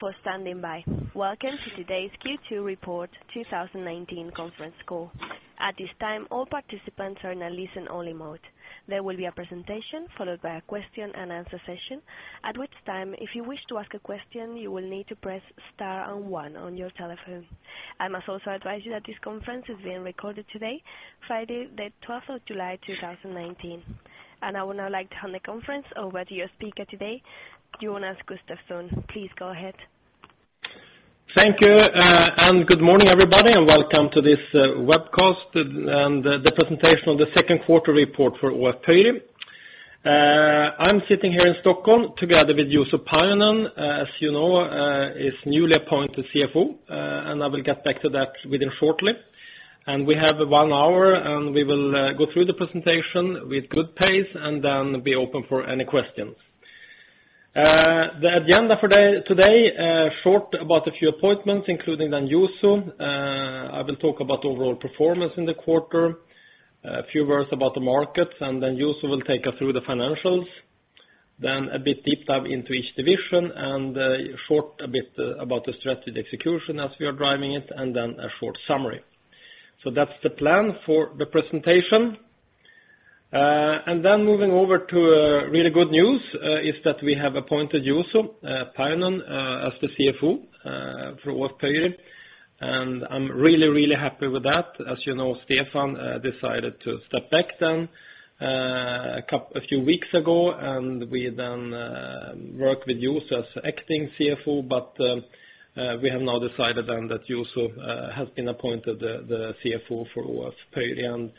For standing by. Welcome to today's Q2 report 2019 conference call. At this time, all participants are in a listen-only mode. There will be a presentation followed by a question-and-answer session, at which time, if you wish to ask a question, you will need to press star and one on your telephone. I must also advise you that this conference is being recorded today, Friday, the 12th of July, 2019. I would now like to hand the conference over to your speaker today, Jonas Gustavsson. Please go ahead. Thank you. Good morning, everybody, and welcome to this webcast and the presentation of the second quarter report for AFRY. I'm sitting here in Stockholm together with Juuso Pajunen, as you know, is newly appointed CFO. I will get back to that shortly. We have one hour, and we will go through the presentation with good pace and then be open for any questions. The agenda for today, short about a few appointments, including then Juuso. I will talk about overall performance in the quarter, a few words about the market. Juuso will take us through the financials. A bit deep dive into each division and a short a bit about the strategic execution as we are driving it, and then a short summary. That's the plan for the presentation. Moving over to really good news is that we have appointed Juuso Pajunen as the CFO for AFRY. I'm really, really happy with that. As you know, Stefan decided to step back then a few weeks ago. We then work with Juuso as acting CFO, but we have now decided then that Juuso has been appointed the CFO for AFRY.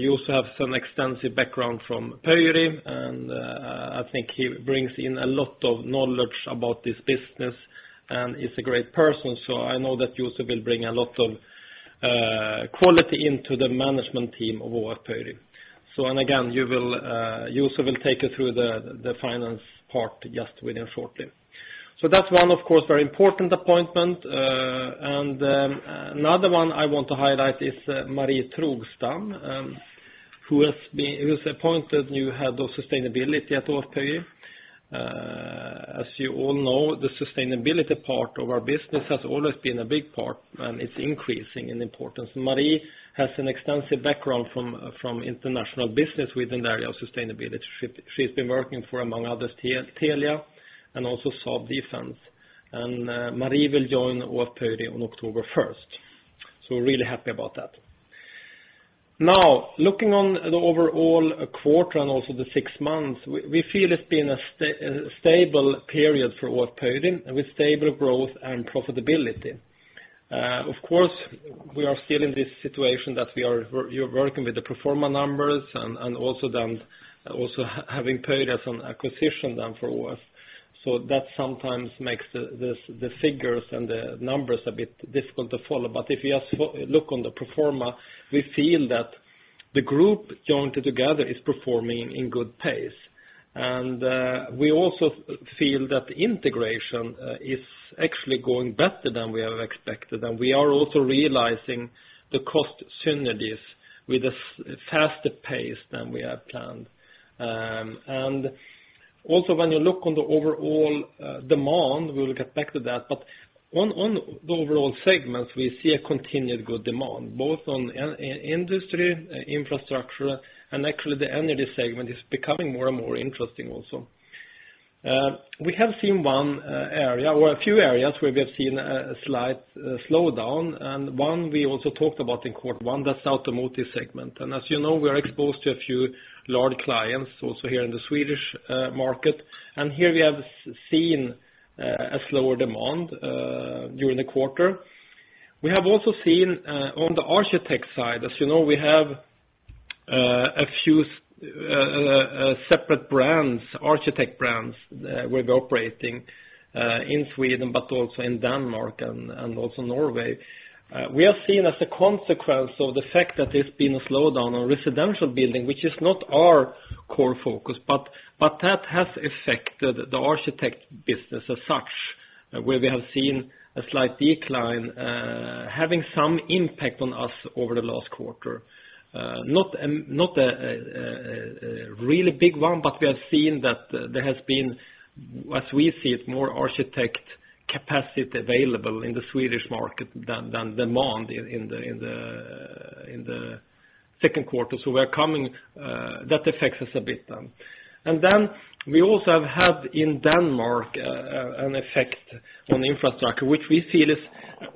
Juuso have some extensive background from AFRY. I think he brings in a lot of knowledge about this business and is a great person. I know that Juuso will bring a lot of quality into the management team of AFRY. Juuso will take you through the finance part just within shortly. That's one, of course, very important appointment. Another one I want to highlight is Marie Trogstam, who was appointed new head of sustainability at AFRY. As you all know, the sustainability part of our business has always been a big part. It's increasing in importance. Marie has an extensive background from international business within the area of sustainability. She's been working for, among others, Telia and also Saab. Marie will join AFRY on October 1st. We're really happy about that. Now, looking on the overall quarter and also the six months, we feel it's been a stable period for AFRY with stable growth and profitability. Of course, we are still in this situation that we are working with the pro forma numbers and also having paid us on acquisition then for us. That sometimes makes the figures and the numbers a bit difficult to follow. If you just look on the pro forma, we feel that the group joined together is performing in good pace. We also feel that integration is actually going better than we have expected, and we are also realizing the cost synergies with a faster pace than we had planned. Also when you look on the overall demand, we will get back to that, but on the overall segments, we see a continued good demand, both on industry, infrastructure, and actually the energy segment is becoming more and more interesting also. We have seen one area or a few areas where we have seen a slight slowdown, and one we also talked about in quarter one, that is automotive segment. As you know, we are exposed to a few large clients also here in the Swedish market. Here we have seen a slower demand during the quarter. We have also seen on the architect side, as you know, we have a few separate brands, architect brands, we are operating in Sweden, but also in Denmark and also Norway. We have seen as a consequence of the fact that there has been a slowdown on residential building, which is not our core focus, but that has affected the architect business as such, where we have seen a slight decline having some impact on us over the last quarter. Not a really big one, but we have seen that there has been, as we see it, more architect capacity available in the Swedish market than demand in the second quarter. That affects us a bit then. Then we also have had in Denmark an effect on infrastructure, which we feel is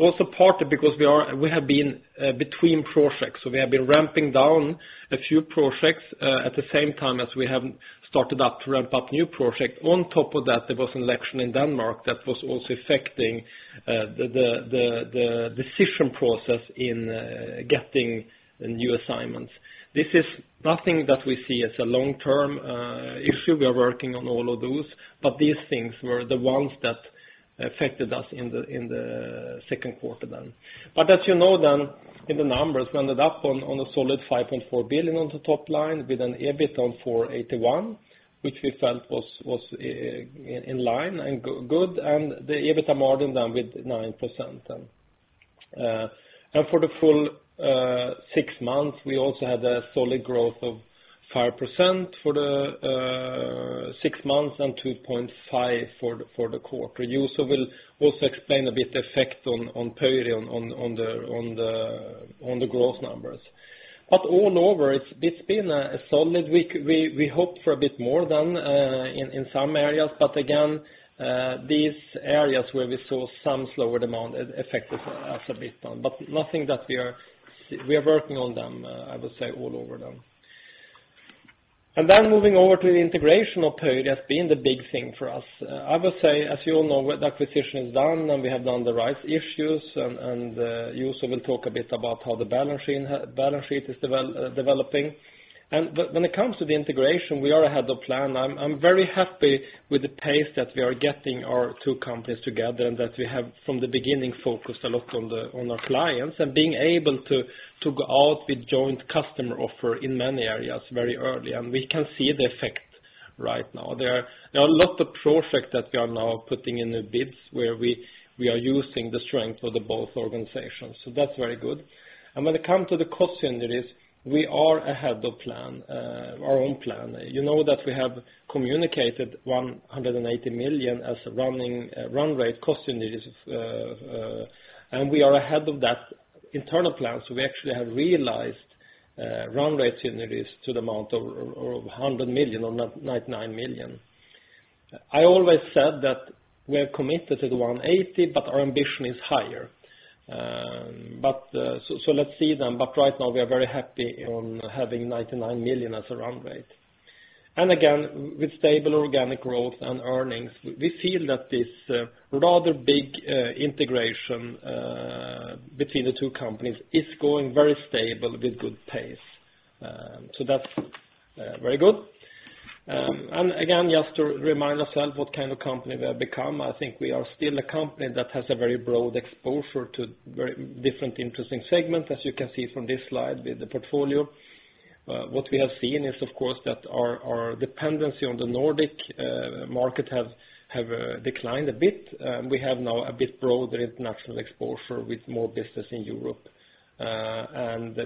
also partly because we have been between projects. We have been ramping down a few projects at the same time as we have started up to ramp up new project. On top of that, there was an election in Denmark that was also affecting the decision process in getting new assignments. This is nothing that we see as a long-term issue. We are working on all of those, but these things were the ones that affected us in the second quarter then. As you know then in the numbers, we ended up on a solid 5.4 billion on the top line with an EBIT on 481 million, which we felt was in line and good, and the EBIT margin then with 9% then. For the full six months, we also had a solid growth of 5% for the six months and 2.5% for the quarter. Juuso will also explain a bit the effect on Pöyry on the growth numbers. All over, it has been solid. We hoped for a bit more in some areas, but again these areas where we saw some slower demand affected us a bit. We are working on them, I would say all over now. Moving over to the integration of Pöyry has been the big thing for us. I would say, as you all know, the acquisition is done, and we have done the right issues, and Juuso will talk a bit about how the balance sheet is developing. When it comes to the integration, we are ahead of plan. I'm very happy with the pace that we are getting our two companies together and that we have from the beginning focused a lot on our clients and being able to go out with joint customer offer in many areas very early. We can see the effect right now. There are a lot of projects that we are now putting in the bids where we are using the strength of both organizations. That's very good. When it comes to the cost synergies, we are ahead of our own plan. You know that we have communicated 180 million as a run rate cost synergies. We are ahead of that internal plan. We actually have realized run rate synergies to the amount of 100 million or 99 million. I always said that we are committed to the 180 million, but our ambition is higher. Let's see then, but right now we are very happy on having 99 million as a run rate. Again, with stable organic growth and earnings, we feel that this rather big integration between the two companies is going very stable with good pace. That's very good. Again, just to remind ourselves what kind of company we have become, I think we are still a company that has a very broad exposure to very different interesting segments, as you can see from this slide with the portfolio. What we have seen is, of course, that our dependency on the Nordic market have declined a bit. We have now a bit broader international exposure with more business in Europe.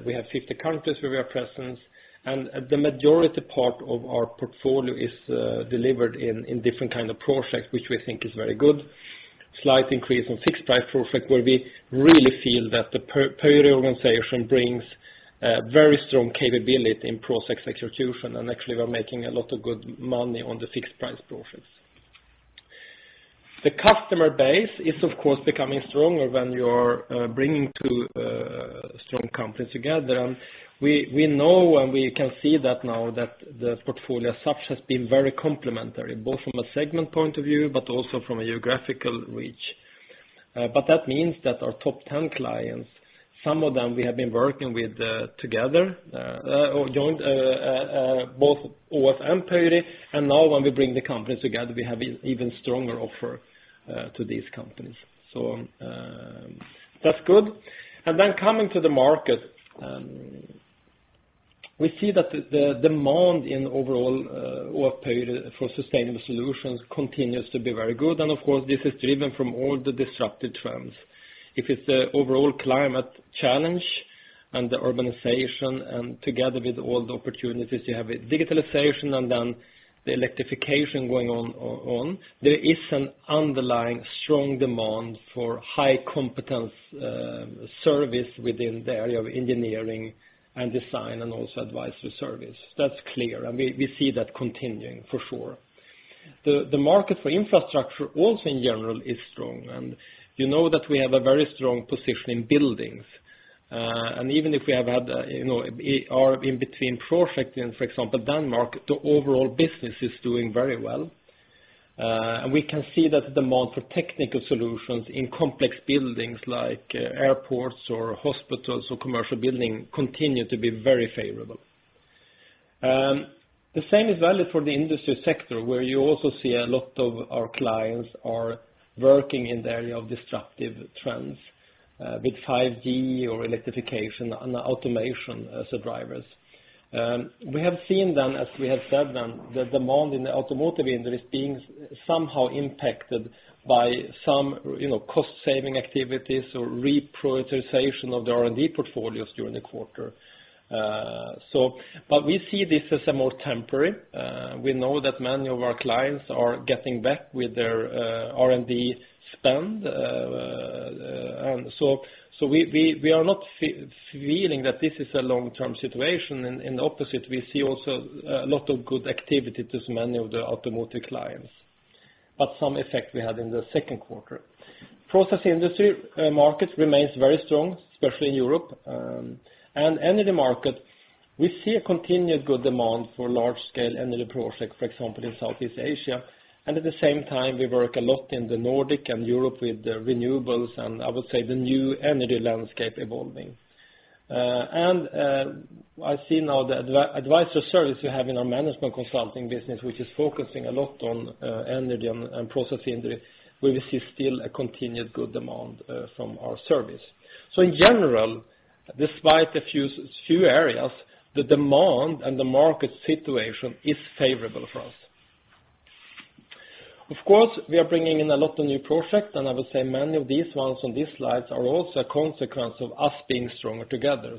We have 50 countries where we have presence, and the majority part of our portfolio is delivered in different kind of projects, which we think is very good. Slight increase on fixed-price project, where we really feel that the Pöyry organization brings a very strong capability in project execution. Actually, we are making a lot of good money on the fixed-price projects. The customer base is, of course, becoming stronger when you're bringing two strong companies together. We know and we can see that now that the portfolio as such has been very complementary, both from a segment point of view, but also from a geographical reach. That means that our top 10 clients, some of them we have been working with together, both AFRY and Pöyry, and now when we bring the companies together, we have even stronger offer to these companies. That's good. Then coming to the market, we see that the demand in overall AFRY for sustainable solutions continues to be very good. Of course, this is driven from all the disruptive trends. If it's the overall climate challenge and the urbanization and together with all the opportunities, you have digitalization and then the electrification going on, there is an underlying strong demand for high competence service within the area of engineering and design and also advisory service. That's clear, and we see that continuing for sure. The market for infrastructure also in general is strong, and you know that we have a very strong position in buildings. Even if we are in between projects in, for example, Denmark, the overall business is doing very well. We can see that demand for technical solutions in complex buildings like airports or hospitals or commercial building continue to be very favorable. The same is valid for the industry sector, where you also see a lot of our clients are working in the area of disruptive trends with 5G or electrification and automation as the drivers. We have seen, as we have said, the demand in the automotive industry is being somehow impacted by some cost-saving activities or reprioritization of the R&D portfolios during the quarter. We see this as more temporary. We know that many of our clients are getting back with their R&D spend. We are not feeling that this is a long-term situation. In the opposite, we see also a lot of good activity to many of the automotive clients. Some effect we had in the second quarter. Process industry market remains very strong, especially in Europe. Energy market, we see a continued good demand for large-scale energy projects, for example, in Southeast Asia. At the same time, we work a lot in the Nordic and Europe with renewables and I would say the new energy landscape evolving. I see now the advisory service we have in our management consulting business, which is focusing a lot on energy and process industry, where we see still a continued good demand from our service. In general, despite a few areas, the demand and the market situation is favorable for us. Of course, we are bringing in a lot of new projects, and I would say many of these ones on these slides are also a consequence of us being stronger together.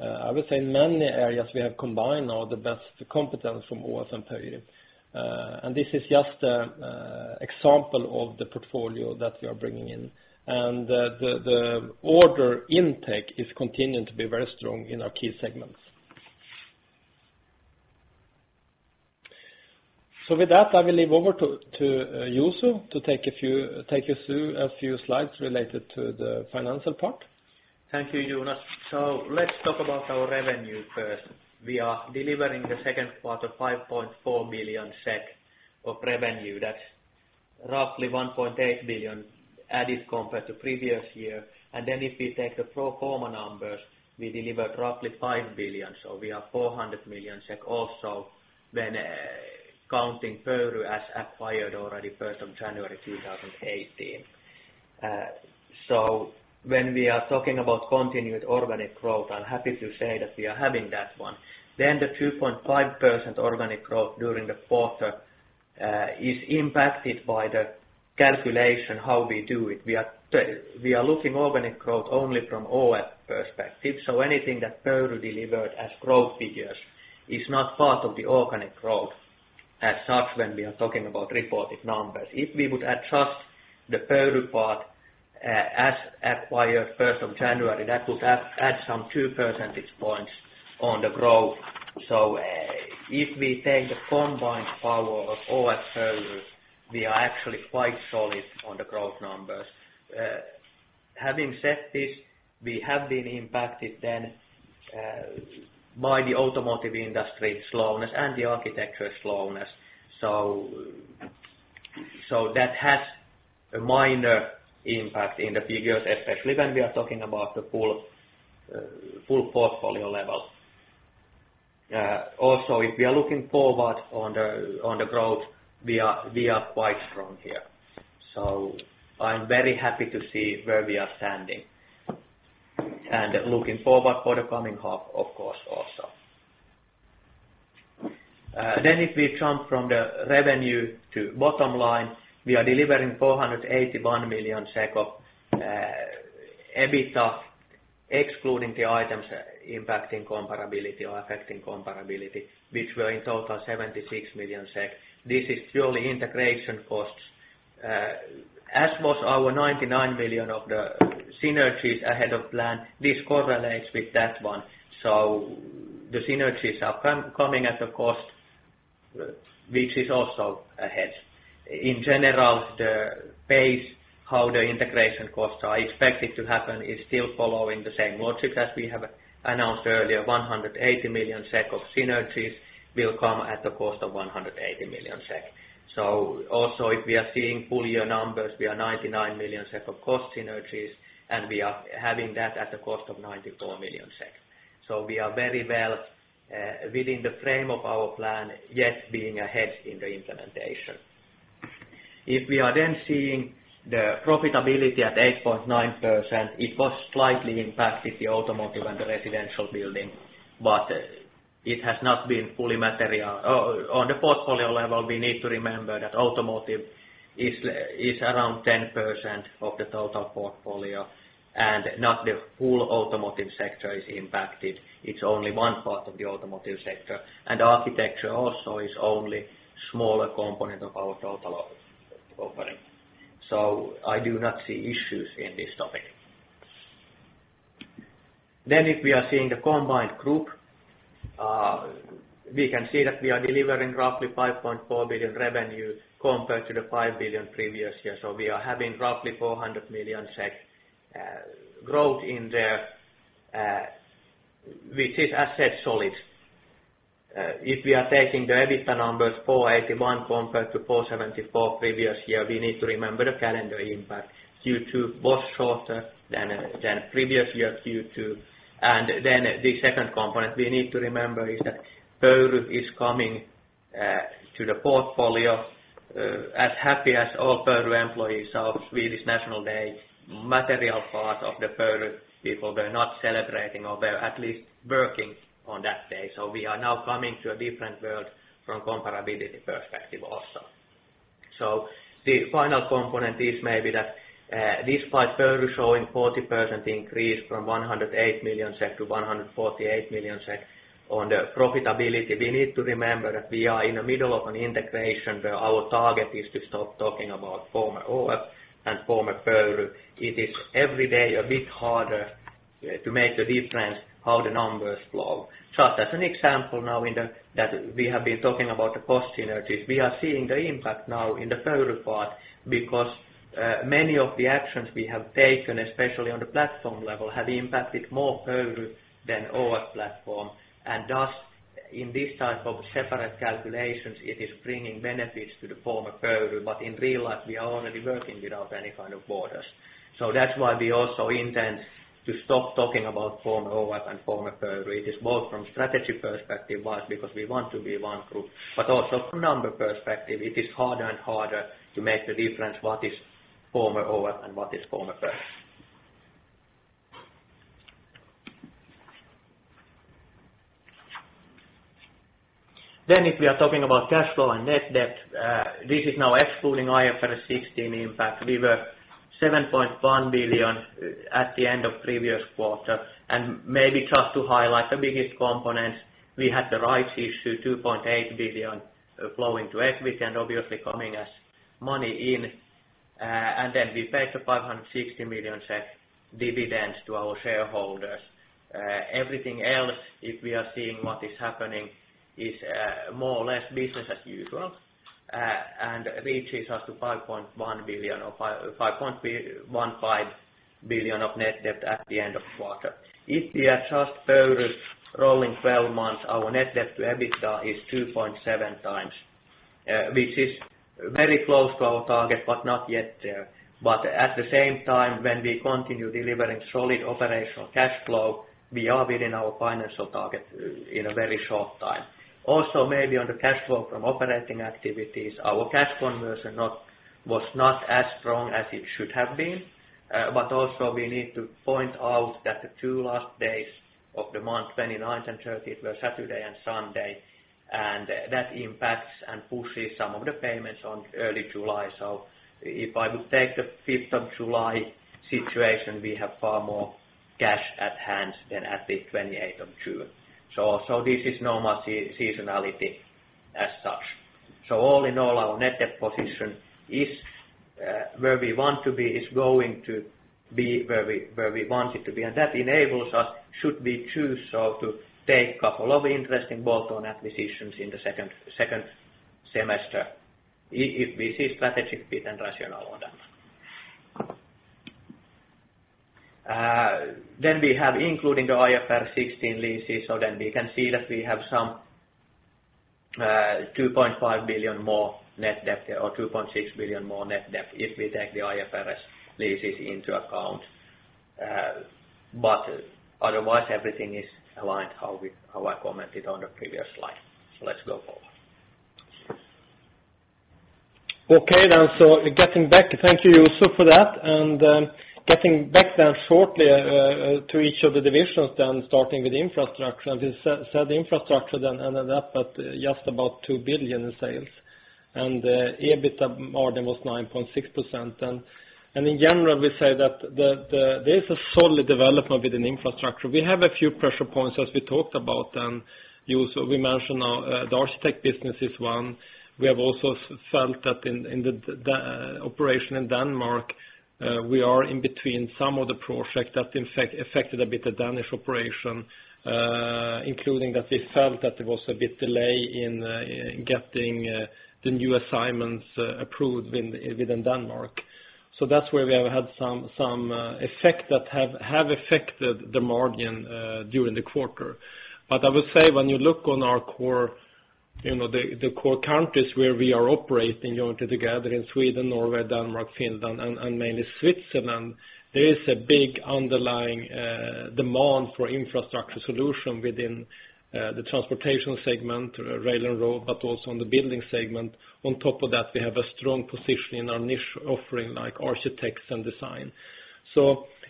I would say many areas we have combined now the best competence from ÅF and Pöyry. This is just an example of the portfolio that we are bringing in. The order intake is continuing to be very strong in our key segments. With that, I will leave over to Juuso to take you through a few slides related to the financial part. Thank you, Jonas. Let's talk about our revenue first. We are delivering the second quarter 5.4 billion SEK of revenue. That's roughly 1.8 billion added compared to previous year. If we take the pro forma numbers, we delivered roughly 5 billion. We are 400 million SEK also when counting Pöyry as acquired already 1st of January 2018. When we are talking about continued organic growth, I'm happy to say that we are having that one. The 2.5% organic growth during the quarter is impacted by the calculation how we do it. We are looking organic growth only from ÅF perspective. Anything that Pöyry delivered as growth figures is not part of the organic growth as such when we are talking about reported numbers. If we would adjust the Pöyry part as acquired 1st of January, that would add some 2 percentage points on the growth. If we take the combined power of ÅF, Pöyry, we are actually quite solid on the growth numbers. Having said this, we have been impacted then by the automotive industry slowness and the architecture slowness. That has a minor impact in the figures, especially when we are talking about the full portfolio level. Also, if we are looking forward on the growth, we are quite strong here. I'm very happy to see where we are standing and looking forward for the coming half, of course, also. If we jump from the revenue to bottom line, we are delivering 481 million SEK of EBITDA, excluding the items impacting comparability or affecting comparability, which were in total 76 million SEK. This is purely integration costs. As was our 99 million of the synergies ahead of plan, this correlates with that one. The synergies are coming at a cost which is also ahead. In general, the pace how the integration costs are expected to happen is still following the same logic as we have announced earlier, 180 million SEK of synergies will come at the cost of 180 million SEK. Also if we are seeing full year numbers, we are 99 million SEK of cost synergies, and we are having that at the cost of 94 million SEK. We are very well within the frame of our plan, yet being ahead in the implementation. If we are then seeing the profitability at 8.9%, it was slightly impacted the automotive and the residential building, but it has not been fully material. On the portfolio level, we need to remember that automotive is around 10% of the total portfolio and not the full automotive sector is impacted. It's only one part of the automotive sector. Architecture also is only smaller component of our total operating. I do not see issues in this topic. If we are seeing the combined group, we can see that we are delivering roughly 5.4 billion revenue compared to the 5 billion previous year. We are having roughly 400 million growth in there, which is asset solid. If we are taking the EBITDA numbers 481 compared to 474 previous year, we need to remember the calendar impact, Q2 was shorter than previous year Q2. Then the second component we need to remember is that Pöyry is coming to the portfolio. As happy as all Pöyry employees are, Swedish National Day, material part of the Pöyry people were not celebrating or were at least working on that day. We are now coming to a different world from comparability perspective also. The final component is maybe that despite Pöyry showing 40% increase from 108 million SEK to 148 million SEK on the profitability, we need to remember that we are in the middle of an integration where our target is to stop talking about former ÅF and former Pöyry. It is every day a bit harder to make the difference how the numbers flow. Just as an example now that we have been talking about the cost synergies. We are seeing the impact now in the Pöyry part because many of the actions we have taken, especially on the platform level, have impacted more Pöyry than ÅF platform. In this type of separate calculations, it is bringing benefits to the former Pöyry. In real life, we are already working without any kind of borders. That's why we also intend to stop talking about former ÅF and former Pöyry. It is both from strategy perspective wise because we want to be one group, but also from number perspective, it is harder and harder to make the difference what is former ÅF and what is former Pöyry. If we are talking about cash flow and net debt, this is now excluding IFRS 16 impact. We were 7.1 billion at the end of previous quarter. Maybe just to highlight the biggest components, we had the rights issue, 2.8 billion flowing to AFRY and obviously coming as money in. We paid the 560 million dividends to our shareholders. Everything else, if we are seeing what is happening, is more or less business as usual, and reaches us to 5.15 billion of net debt at the end of the quarter. If we are just Pöyry rolling 12 months, our net debt to EBITDA is 2.7 times, which is very close to our target, but not yet there. At the same time, when we continue delivering solid operational cash flow, we are within our financial target in a very short time. Maybe on the cash flow from operating activities, our cash conversion was not as strong as it should have been. We need to point out that the two last days of the month, 29th and 30th, were Saturday and Sunday, and that impacts and pushes some of the payments on early July. If I would take the 5th of July situation, we have far more cash at hand than at the 28th of June. This is normal seasonality as such. All in all, our net debt position is where we want to be, is going to be where we want it to be. That enables us, should we choose so, to take a couple of interesting bolt-on acquisitions in the second semester if we see strategic fit and rationale on them. We have including the IFRS 16 leases, then we can see that we have some 2.5 billion more net debt or 2.6 billion more net debt if we take the IFRS leases into account. Otherwise, everything is aligned how I commented on the previous slide. Let's go forward. Okay. Thank you, Juuso, for that. Getting back then shortly to each of the divisions then starting with infrastructure. As you said, the infrastructure then ended up at just about 2 billion in sales, and the EBITDA margin was 9.6%. In general, we say that there is a solid development within infrastructure. We have a few pressure points as we talked about, Juuso. We mentioned our architecture business is one. We have also felt that in the operation in Denmark, we are in between some of the projects that affected a bit the Danish operation, including that we felt that there was a bit delay in getting the new assignments approved within Denmark. That's where we have had some effect that have affected the margin during the quarter. I would say when you look on the core countries where we are operating jointly together in Sweden, Norway, Denmark, Finland, and mainly Switzerland, there is a big underlying demand for infrastructure solution within the transportation segment, rail and road, but also on the building segment. On top of that, we have a strong position in our niche offering like architects and design.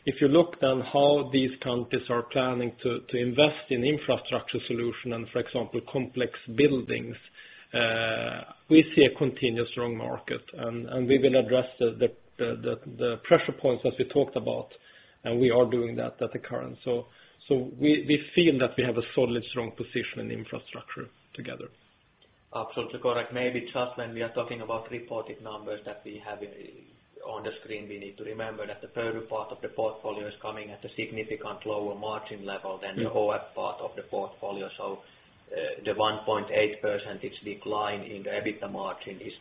If you look then how these countries are planning to invest in infrastructure solution and, for example, complex buildings, we see a continuous strong market, and we will address the pressure points as we talked about, and we are doing that at the current. We feel that we have a solid, strong position in infrastructure together. Absolutely correct. Maybe just when we are talking about reported numbers that we have on the screen, we need to remember that the Pöyry part of the portfolio is coming at a significant lower margin level. Yeah AFRY part of the portfolio. The 1.8% decline in the EBITDA margin is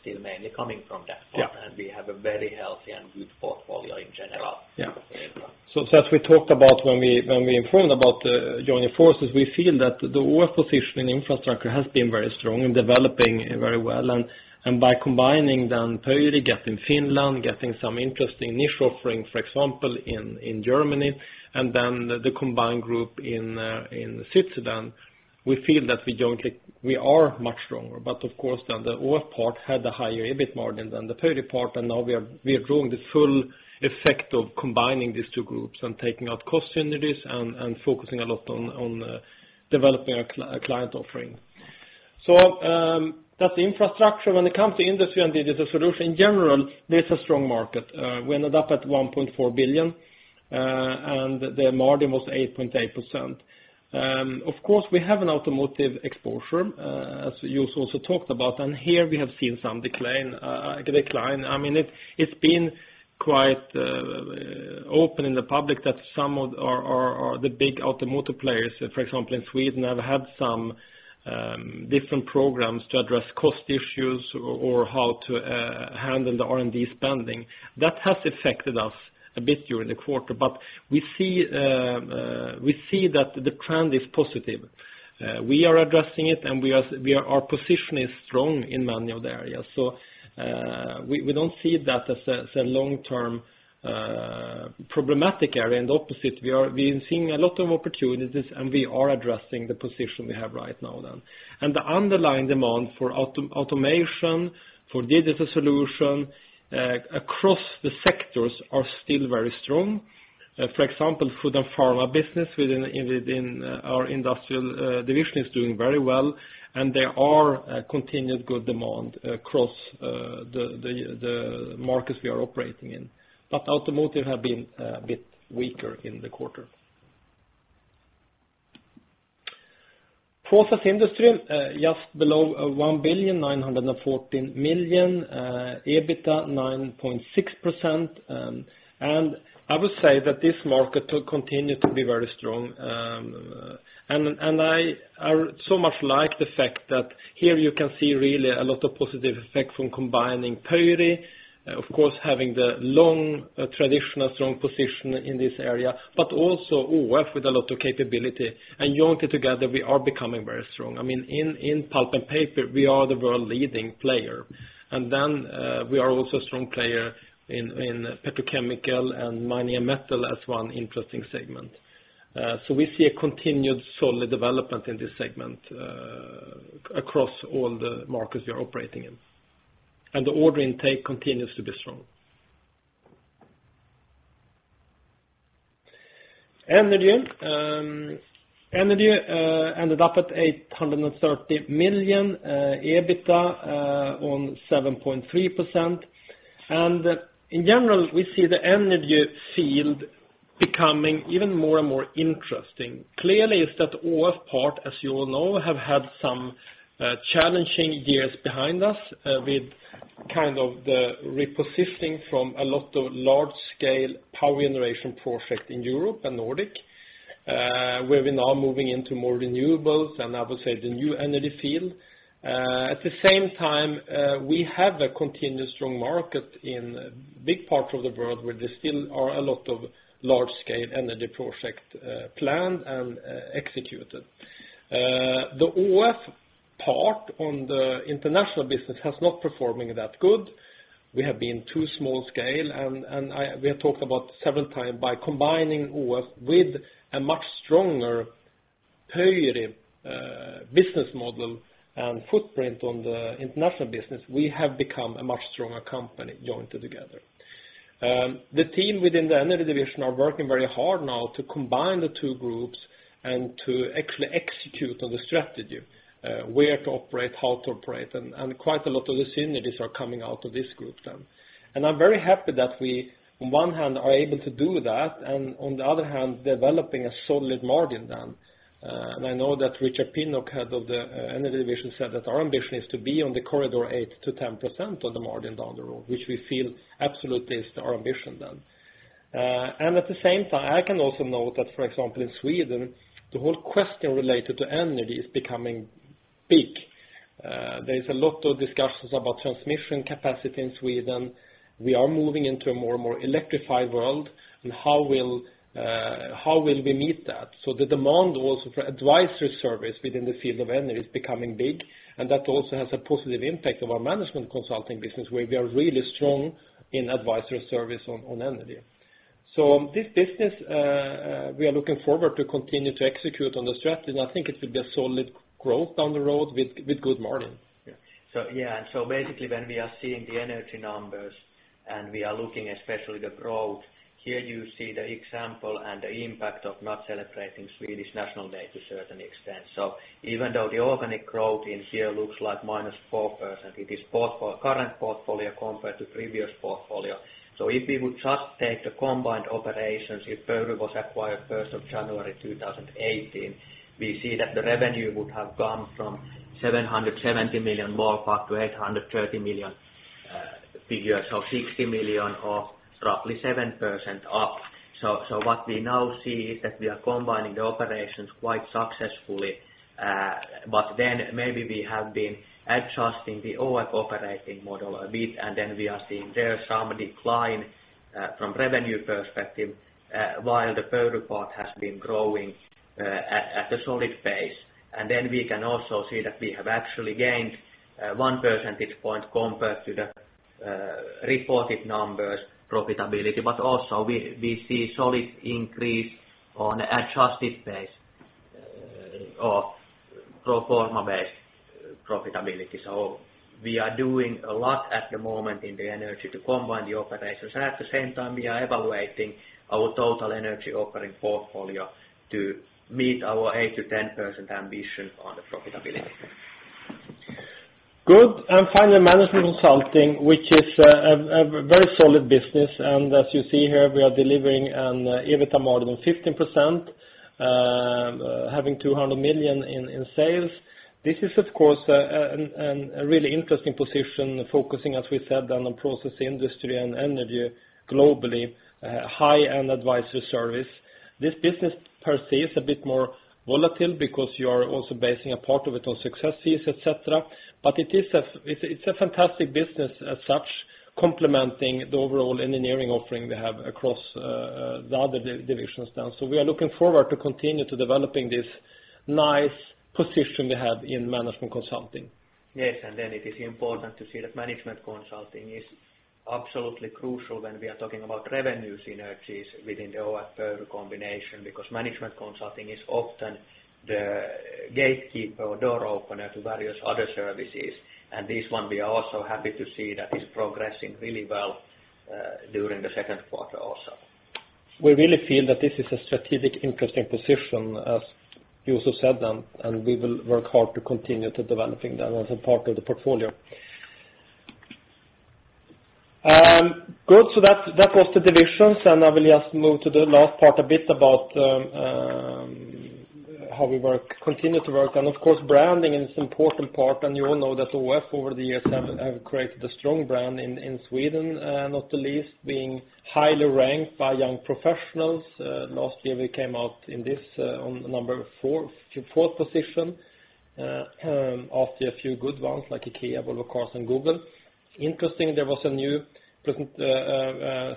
still mainly coming from that part. Yeah. We have a very healthy and good portfolio in general. As we talked about when we informed about joining forces, we feel that the AFRY position in infrastructure has been very strong and developing very well. By combining then Pöyry, getting Finland, getting some interesting niche offering, for example, in Germany, the combined group in Switzerland, we feel that we are much stronger. Of course, then the AFRY part had a higher EBIT margin than the Pöyry part. Now we are drawing the full effect of combining these two groups and taking out cost synergies and focusing a lot on developing our client offering. That's infrastructure. When it comes to industry and digital solution in general, there's a strong market. We ended up at 1.4 billion, and the margin was 8.8%. Of course, we have an automotive exposure, as Juuso also talked about. Here we have seen some decline. It's been quite open in the public that some of the big automotive players, for example, in Sweden, have had some different programs to address cost issues or how to handle the R&D spending. That has affected us a bit during the quarter. We see that the trend is positive. We are addressing it, our position is strong in many of the areas. We don't see that as a long-term problematic area. Opposite, we are seeing a lot of opportunities, and we are addressing the position we have right now then. The underlying demand for automation, for digital solution across the sectors are still very strong. For example, food and pharma business within our industrial division is doing very well, and there are continued good demand across the markets we are operating in. Automotive have been a bit weaker in the quarter. Process Industries, just below 1 billion, 914 million, EBITDA 9.6%. I would say that this market will continue to be very strong. I so much like the fact that here you can see really a lot of positive effect from combining Pöyry, of course, having the long, traditional, strong position in this area, but also ÅF with a lot of capability. Jointly together, we are becoming very strong. In pulp and paper, we are the world leading player. Then we are also a strong player in petrochemical and mining and metal as one interesting segment. We see a continued solid development in this segment across all the markets we are operating in. The order intake continues to be strong. Energy ended up at 830 million, EBITDA on 7.3%. In general, we see the energy field becoming even more and more interesting. Clearly is that ÅF part, as you all know, have had some challenging years behind us with the repositioning from a lot of large-scale power generation project in Europe and Nordic, where we're now moving into more renewables, I would say the new energy field. At the same time, we have a continued strong market in big parts of the world where there still are a lot of large-scale energy project planned and executed. The ÅF part on the international business has not performing that good. We have been too small scale. We have talked about several time by combining ÅF with a much stronger Pöyry business model and footprint on the international business, we have become a much stronger company jointly together. The team within the energy division are working very hard now to combine the two groups and to actually execute on the strategy, where to operate, how to operate, quite a lot of the synergies are coming out of this group then. I'm very happy that we, on one hand, are able to do that, and on the other hand, developing a solid margin then. I know that Richard Pinnock, head of the energy division, said that our ambition is to be on the corridor 8%-10% on the margin down the road, which we feel absolutely is our ambition then. At the same time, I can also note that, for example, in Sweden, the whole question related to energy is becoming big. There is a lot of discussions about transmission capacity in Sweden. We are moving into a more and more electrified world, and how will we meet that? The demand also for advisory service within the field of energy is becoming big, that also has a positive impact of our management consulting business, where we are really strong in advisory service on energy. This business we are looking forward to continue to execute on the strategy, I think it will be a solid growth down the road with good margin. Yeah. Basically, when we are seeing the energy numbers and we are looking especially the growth, here you see the example and the impact of not celebrating Swedish National Day to a certain extent. Even though the organic growth in here looks like -4%, it is current portfolio compared to previous portfolio. If we would just take the combined operations, if Pöyry was acquired 1st of January 2018, we see that the revenue would have gone from 770 million, more up to 830 million figures, 60 million or roughly 7% up. What we now see is that we are combining the operations quite successfully, but then maybe we have been adjusting the ÅF operating model a bit, and then we are seeing there some decline from revenue perspective, while the Pöyry part has been growing at a solid pace. We can also see that we have actually gained 1 percentage point compared to the reported numbers profitability, but also we see solid increase on adjusted base of pro forma-based profitability. We are doing a lot at the moment in the energy to combine the operations. At the same time, we are evaluating our total energy offering portfolio to meet our 8%-10% ambition on the profitability. Finally, Management Consulting, which is a very solid business. As you see here, we are delivering an EBITDA margin of 15%, having 200 million in sales. This is, of course, a really interesting position focusing, as we said, on the process industry and energy globally, high-end advisory service. This business per se is a bit more volatile because you are also basing a part of it on successes, et cetera. It's a fantastic business as such, complementing the overall engineering offering we have across the other divisions now. We are looking forward to continue to developing this nice position we have in management consulting. Yes. Then it is important to see that management consulting is absolutely crucial when we are talking about revenue synergies within the ÅF Pöyry combination, because management consulting is often the gatekeeper or door opener to various other services. This one, we are also happy to see that it's progressing really well during the second quarter also. We really feel that this is a strategic interesting position, as you also said then, we will work hard to continue to developing that as a part of the portfolio. Good. That was the divisions, I will just move to the last part a bit about how we continue to work. Of course, branding is an important part, you all know that ÅF over the years have created a strong brand in Sweden, not the least being highly ranked by young professionals. Last year, we came out in this on the number fourth position after a few good ones like IKEA, Volvo Cars, and Google. Interesting, there was a new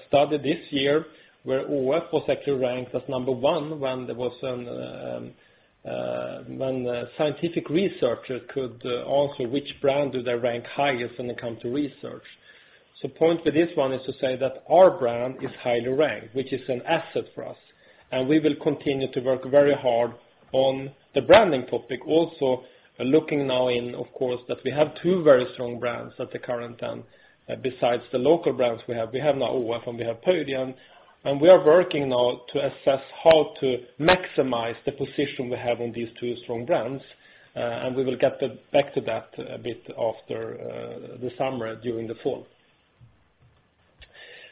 study this year where ÅF was actually ranked as number one when a scientific researcher could answer which brand do they rank highest when it comes to research. Point with this one is to say that our brand is highly ranked, which is an asset for us, we will continue to work very hard on the branding topic. Also looking now in, of course, that we have two very strong brands at the current time. Besides the local brands we have, we have now ÅF and we have Pöyry, we are working now to assess how to maximize the position we have on these two strong brands. We will get back to that a bit after the summer during the fall.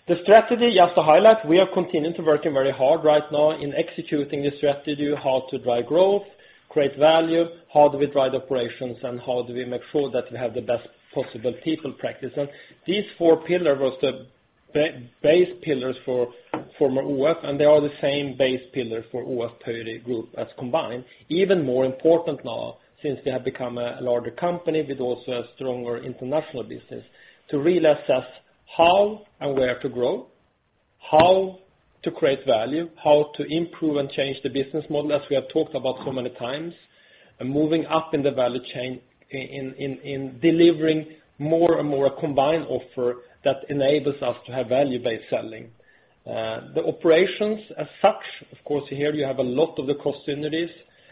The strategy, just to highlight, we are continuing to working very hard right now in executing the strategy, how to drive growth, create value, how do we drive operations, how do we make sure that we have the best possible people practice. These four pillar was the base pillars for ÅF, they are the same base pillar for ÅF Pöyry Group as combined. Even more important now since they have become a larger company with also a stronger international business to reassess how and where to grow, how to create value, how to improve and change the business model, as we have talked about so many times. Moving up in the value chain in delivering more and more a combined offer that enables us to have value-based selling. The operations as such, of course, here you have a lot of the cost synergies.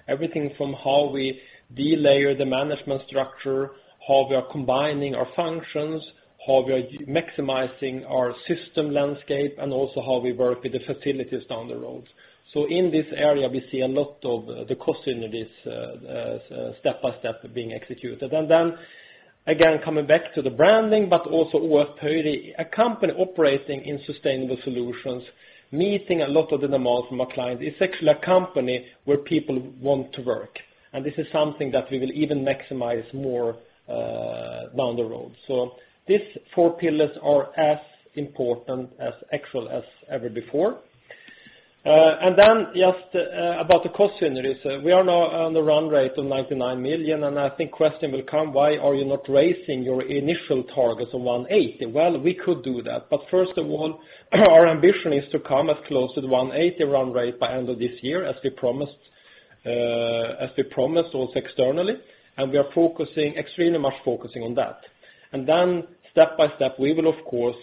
Everything from how we delayer the management structure, how we are combining our functions, how we are maximizing our system landscape, also how we work with the facilities down the road. In this area, we see a lot of the cost synergies step by step being executed. Then, again, coming back to the branding, but also ÅF Pöyry, a company operating in sustainable solutions, meeting a lot of the demands from a client is actually a company where people want to work. This is something that we will even maximize more down the road. These four pillars are as important as actual as ever before. Then just about the cost synergies. We are now on the run rate of 99 million, I think question will come, why are you not raising your initial targets of 180 million? Well, we could do that, first of all, our ambition is to come as close to the 180 million run rate by end of this year, as we promised also externally. We are extremely much focusing on that. Then step by step, we will of course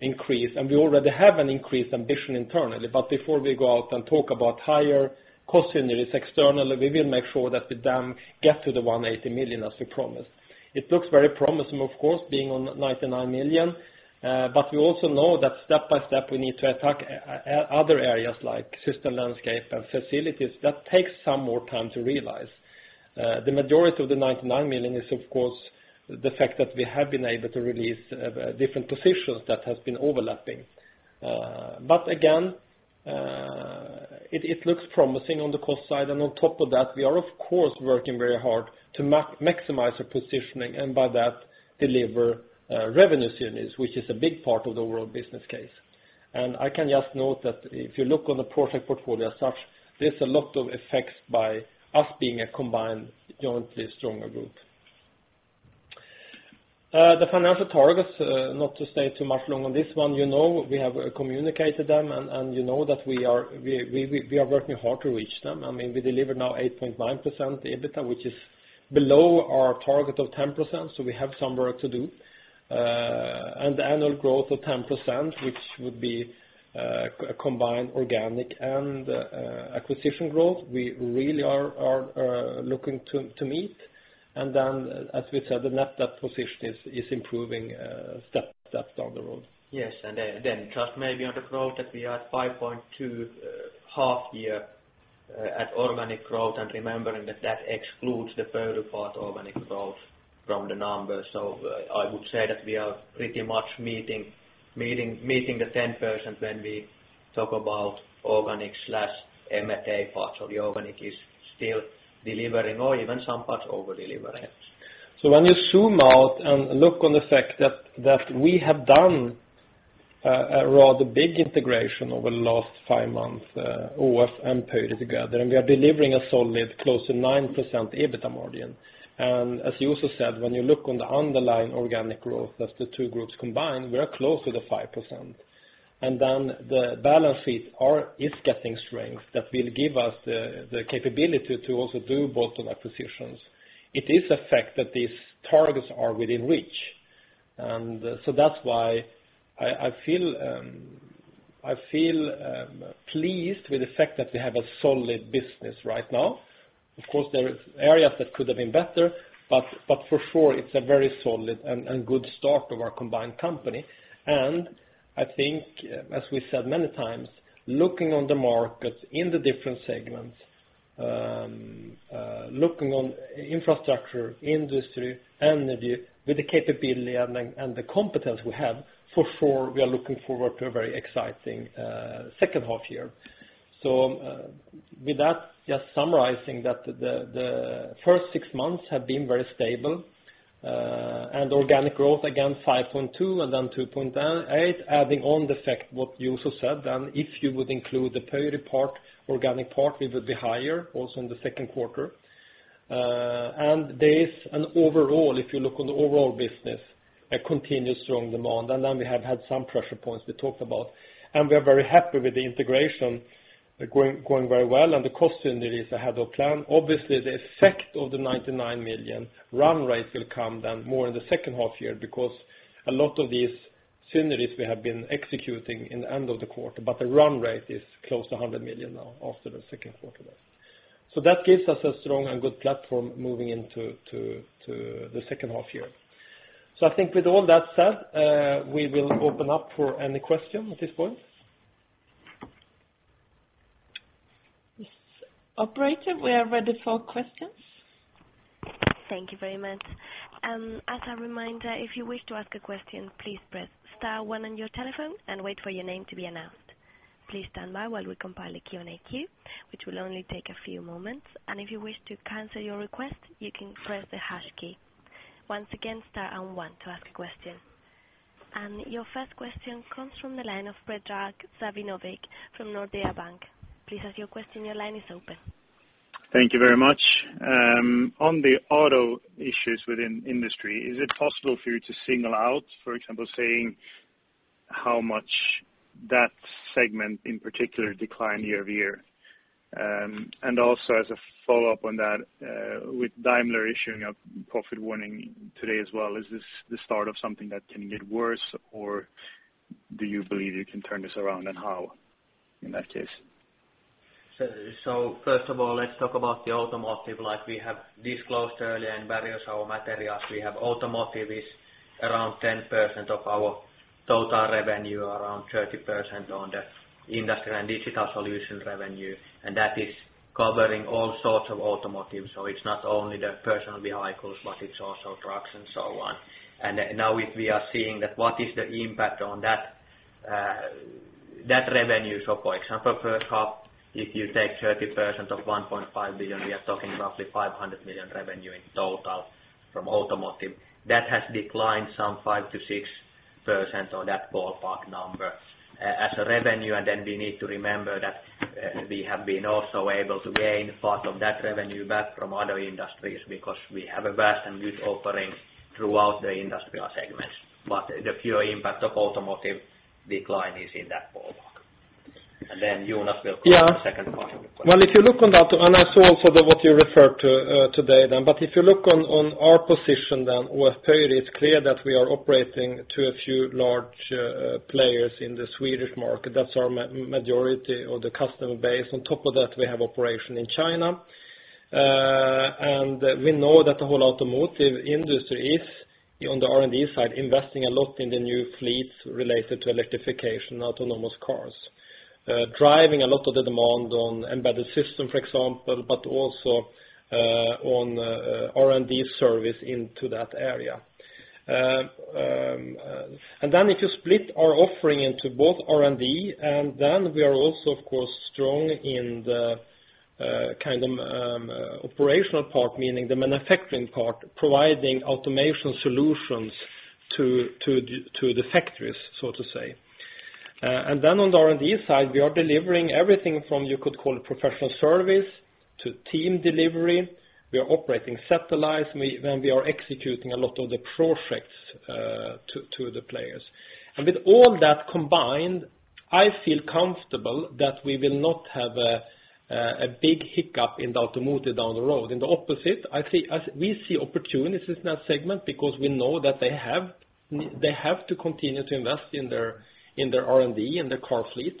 increase, we already have an increased ambition internally. Before we go out and talk about higher cost synergies externally, we will make sure that we then get to the 180 million as we promised. It looks very promising, of course, being on 99 million. We also know that step by step, we need to attack other areas like system landscape and facilities that takes some more time to realize. The majority of the 99 million is, of course, the fact that we have been able to release different positions that has been overlapping. Again, it looks promising on the cost side. On top of that, we are of course working very hard to maximize the positioning and by that deliver revenue synergies, which is a big part of the overall business case. I can just note that if you look on the project portfolio as such, there's a lot of effects by us being a combined jointly stronger group. The financial targets, not to stay too much long on this one, you know we have communicated them, you know that we are working hard to reach them. We deliver now 8.9% EBITDA, which is below our target of 10%, we have some work to do. The annual growth of 10%, which would be a combined organic and acquisition growth, we really are looking to meet. Then as we said, the net debt position is improving step by step down the road. Just maybe on the growth that we are at 5.2% half year at organic growth and remembering that excludes the Pöyry part organic growth from the numbers. I would say that we are pretty much meeting the 10% when we talk about organic/M&A part of the organic is still delivering or even some parts over-delivering. When you zoom out and look on the fact that we have done a rather big integration over the last five months, ÅF and Pöyry together, we are delivering a solid close to 9% EBITDA margin. As Juuso said, when you look on the underlying organic growth of the two groups combined, we are close to the 5%. The balance sheet is getting strength that will give us the capability to also do bolt-on acquisitions. It is a fact that these targets are within reach. That's why I feel pleased with the fact that we have a solid business right now. Of course, there are areas that could have been better, but for sure it's a very solid and good start of our combined company. I think as we said many times, looking on the markets in the different segments. Looking on infrastructure, industry, energy with the capability and the competence we have, for sure, we are looking forward to a very exciting second half year. With that, just summarizing that the first six months have been very stable. Organic growth, again, 5.2% and then 2.8%, adding on the fact what Juuso said. If you would include the Pöyry part, organic part, it would be higher also in the second quarter. Overall, if you look on the overall business, a continuous strong demand. Then we have had some pressure points we talked about. We are very happy with the integration going very well and the cost synergies ahead of plan. Obviously, the effect of the 99 million run rate will come then more in the second half year because a lot of these synergies we have been executing in the end of the quarter, but the run rate is close to 100 million now after the second quarter. That gives us a strong and good platform moving into the second half year. I think with all that said, we will open up for any question at this point. Operator, we are ready for questions. Thank you very much. As a reminder, if you wish to ask a question, please press star one on your telephone and wait for your name to be announced. Please stand by while we compile a Q&A queue, which will only take a few moments. If you wish to cancel your request, you can press the hash key. Once again, star and one to ask a question. Your first question comes from the line of Predrag Savinovic from Nordea Bank. Please ask your question, your line is open. Thank you very much. On the auto issues within industry, is it possible for you to single out, for example, saying how much that segment in particular declined year-over-year? Also as a follow-up on that, with Daimler issuing a profit warning today as well, is this the start of something that can get worse? Do you believe you can turn this around, and how in that case? First of all, let's talk about the automotive. Like we have disclosed earlier in various our materials, we have automotive is around 10% of our total revenue, around 30% on the Industrial & Digital Solutions revenue, that is covering all sorts of automotive. It's not only the personal vehicles, but it's also trucks and so on. Now we are seeing that what is the impact on that revenue. For example, first half, if you take 30% of 1.5 billion, we are talking roughly 500 million revenue in total from automotive. That has declined some 5%-6% or that ballpark number as a revenue. Then we need to remember that we have been also able to gain part of that revenue back from other industries because we have a vast and good offering throughout the industrial segments. The pure impact of automotive decline is in that ballpark. Then Jonas will cover the second part of the question. If you look on that, I saw also what you referred to today then. If you look on our position then with Pöyry, it's clear that we are operating to a few large players in the Swedish market. That's our majority of the customer base. On top of that, we have operation in China. We know that the whole automotive industry is, on the R&D side, investing a lot in the new fleets related to electrification, autonomous cars. Driving a lot of the demand on embedded system, for example, but also on R&D service into that area. If you split our offering into both R&D, then we are also, of course, strong in the kind of operational part, meaning the manufacturing part, providing automation solutions to the factories, so to say. On the R&D side, we are delivering everything from, you could call it professional service to team delivery. We are operating centralized, we are executing a lot of the projects to the players. With all that combined, I feel comfortable that we will not have a big hiccup in the automotive down the road. In the opposite, we see opportunities in that segment because we know that they have to continue to invest in their R&D, in their car fleet.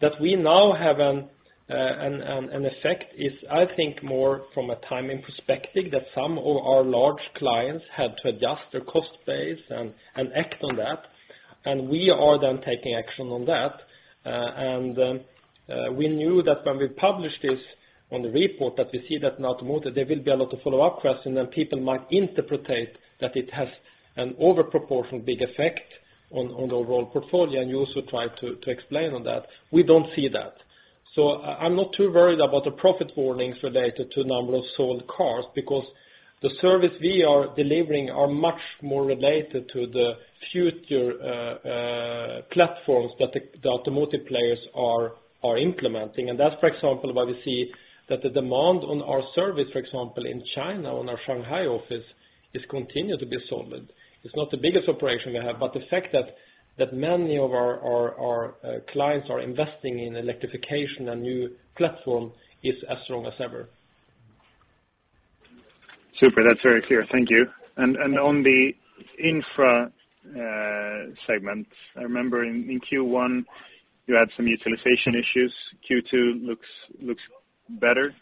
That we now have an effect is, I think, more from a timing perspective, that some of our large clients had to adjust their cost base and act on that. We are then taking action on that. We knew that when we published this on the report, that we see that in automotive, there will be a lot of follow-up question, people might interpret that it has an overproportion big effect on the overall portfolio, Juuso tried to explain on that. We don't see that. I'm not too worried about the profit warnings related to number of sold cars because the service we are delivering are much more related to the future platforms that the automotive players are implementing. That's, for example, why we see that the demand on our service, for example, in China, on our Shanghai office, is continued to be solid. It's not the biggest operation we have, but the fact that many of our clients are investing in electrification and new platform is as strong as ever. Super. That's very clear. Thank you. On the infra segments, I remember in Q1 you had some utilization issues. Q2 looks better.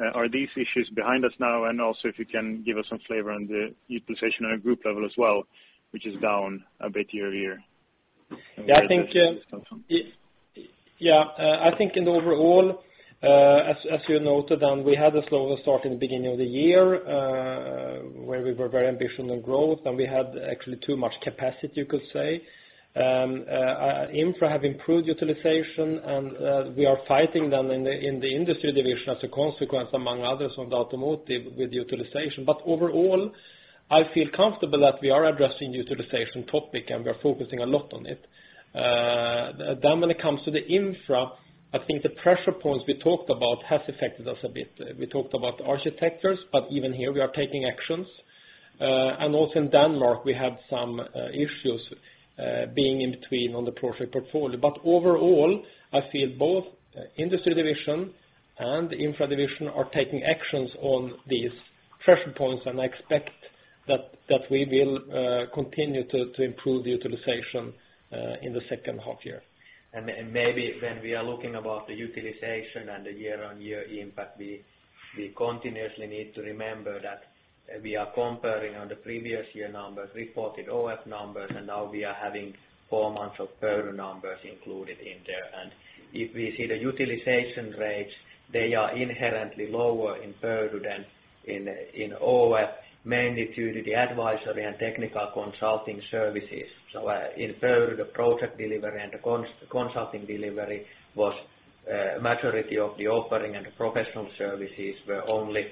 Are these issues behind us now? Also if you can give us some flavor on the utilization on a group level as well, which is down a bit year-over-year. I think in the overall, as you noted, we had a slower start in the beginning of the year, where we were very ambitious on growth, and we had actually too much capacity, you could say. Infra have improved utilization, and we are fighting in the Industry division as a consequence, among others, on the automotive with utilization. Overall, I feel comfortable that we are addressing utilization topic, and we are focusing a lot on it. When it comes to the Infra, I think the pressure points we talked about has affected us a bit. We talked about architectures, but even here we are taking actions. Also in Denmark, we have some issues being in between on the project portfolio. Overall, I feel both Industry division and Infra division are taking actions on these pressure points, and I expect that we will continue to improve utilization in the second half-year. Maybe when we are looking about the utilization and the year-on-year impact, we continuously need to remember that we are comparing on the previous year numbers, reported ÅF numbers, and now we are having four months of Pöyry numbers included in there. If we see the utilization rates, they are inherently lower in Pöyry than in ÅF, mainly due to the advisory and technical consulting services. In Pöyry, the project delivery and the consulting delivery was a majority of the offering and the professional services were only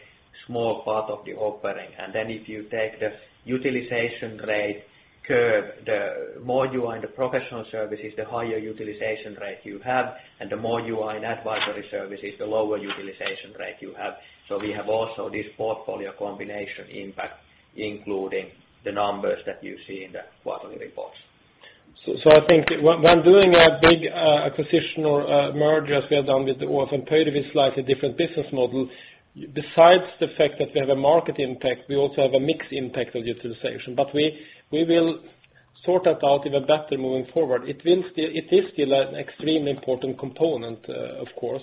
small part of the offering. If you take the utilization rate curve, the more you are in the professional services, the higher utilization rate you have, and the more you are in advisory services, the lower utilization rate you have. We have also this portfolio combination impact, including the numbers that you see in the quarterly reports. I think when doing a big acquisition or merger, as we have done with the ÅF and Pöyry with slightly different business model. Besides the fact that we have a market impact, we also have a mixed impact of utilization. We will sort that out even better moving forward. It is still an extremely important component, of course.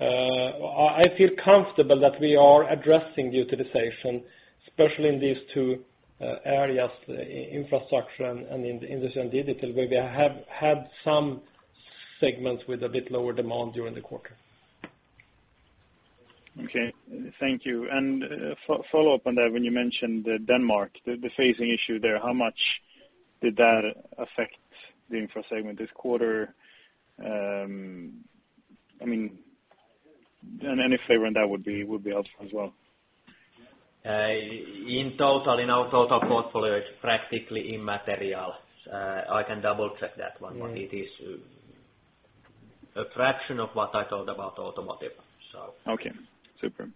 I feel comfortable that we are addressing utilization, especially in these two areas, Infrastructure and in Industry and Digital, where we have had some segments with a bit lower demand during the quarter. Okay. Thank you. Follow up on that, when you mentioned Denmark, the phasing issue there, how much did that affect the Infra segment this quarter? Any flavor on that would be helpful as well. In our total portfolio, it is practically immaterial. I can double-check that one, but it is a fraction of what I told about automotive. Okay. Super.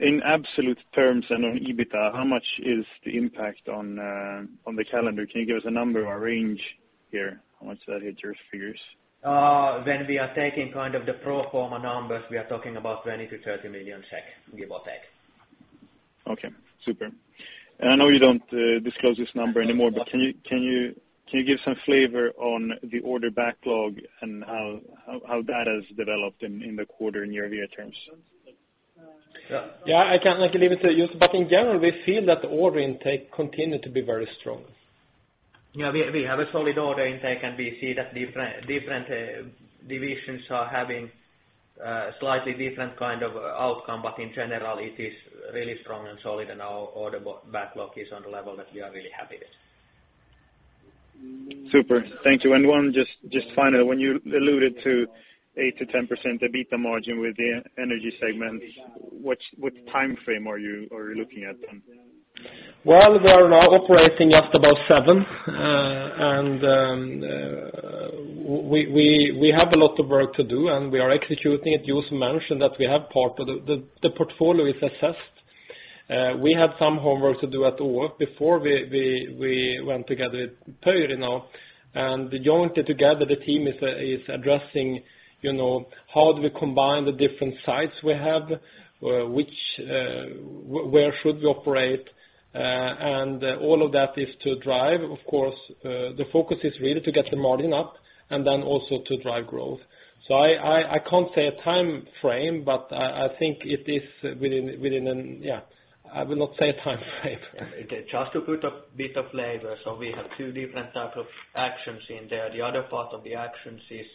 In absolute terms. On EBITDA, how much is the impact on the calendar? Can you give us a number or a range here? How much that hit your figures? When we are taking the pro forma numbers, we are talking about 20 million-30 million, give or take. Okay, super. I know you don't disclose this number anymore, can you give some flavor on the order backlog and how that has developed in the quarter in year-over-year terms? I can leave it to Juuso. In general, we feel that the order intake continue to be very strong. We have a solid order intake, and we see that different divisions are having slightly different outcome. In general, it is really strong and solid, and our order backlog is on the level that we are really happy with. Super. Thank you. One just final. When you alluded to 8%-10% EBITDA margin with the energy segment, what timeframe are you looking at then? Well, we are now operating just about seven. We have a lot of work to do, and we are executing it. Juuso mentioned that we have part of the portfolio is assessed. We have some homework to do at ÅF before we went together with Pöyry now. Jointly together, the team is addressing how do we combine the different sites we have, where should we operate. All of that is to drive. Of course, the focus is really to get the margin up and then also to drive growth. I can't say a timeframe, but I will not say a timeframe. Okay. Just to put a bit of flavor. We have two different type of actions in there. The other part of the actions is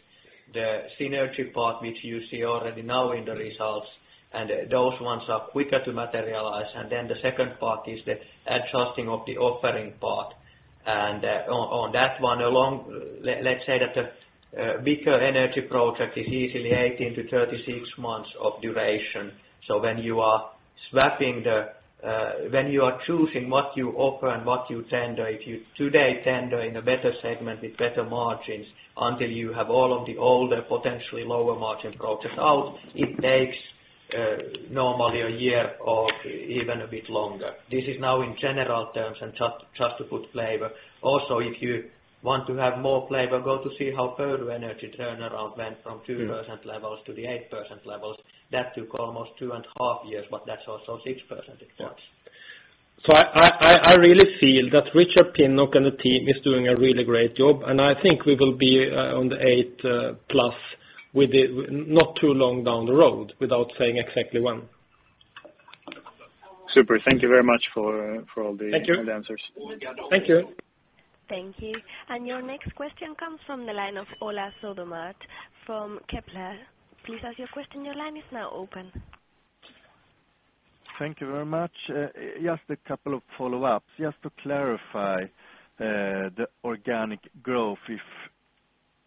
the synergy part, which you see already now in the results, and those ones are quicker to materialize. Then the second part is the adjusting of the offering part. On that one, let's say that a bigger energy project is easily 18-36 months of duration. When you are choosing what you offer and what you tender, if you today tender in a better segment with better margins, until you have all of the older, potentially lower margin projects out, it takes normally a year or even a bit longer. This is now in general terms and just to put flavor. Also, if you want to have more flavor, go to see how Pöyry energy turnaround went from 2% levels to the 8% levels. That took almost two and a half years, but that's also 6% it was. I really feel that Richard Pinnock and the team is doing a really great job, and I think we will be on the 8+ with not too long down the road, without saying exactly when. Super. Thank you very much for all the answers. Thank you. Thank you. Your next question comes from the line of Ola Södermark from Kepler. Please ask your question. Your line is now open. Thank you very much. Just a couple of follow-ups. Just to clarify, the organic growth, if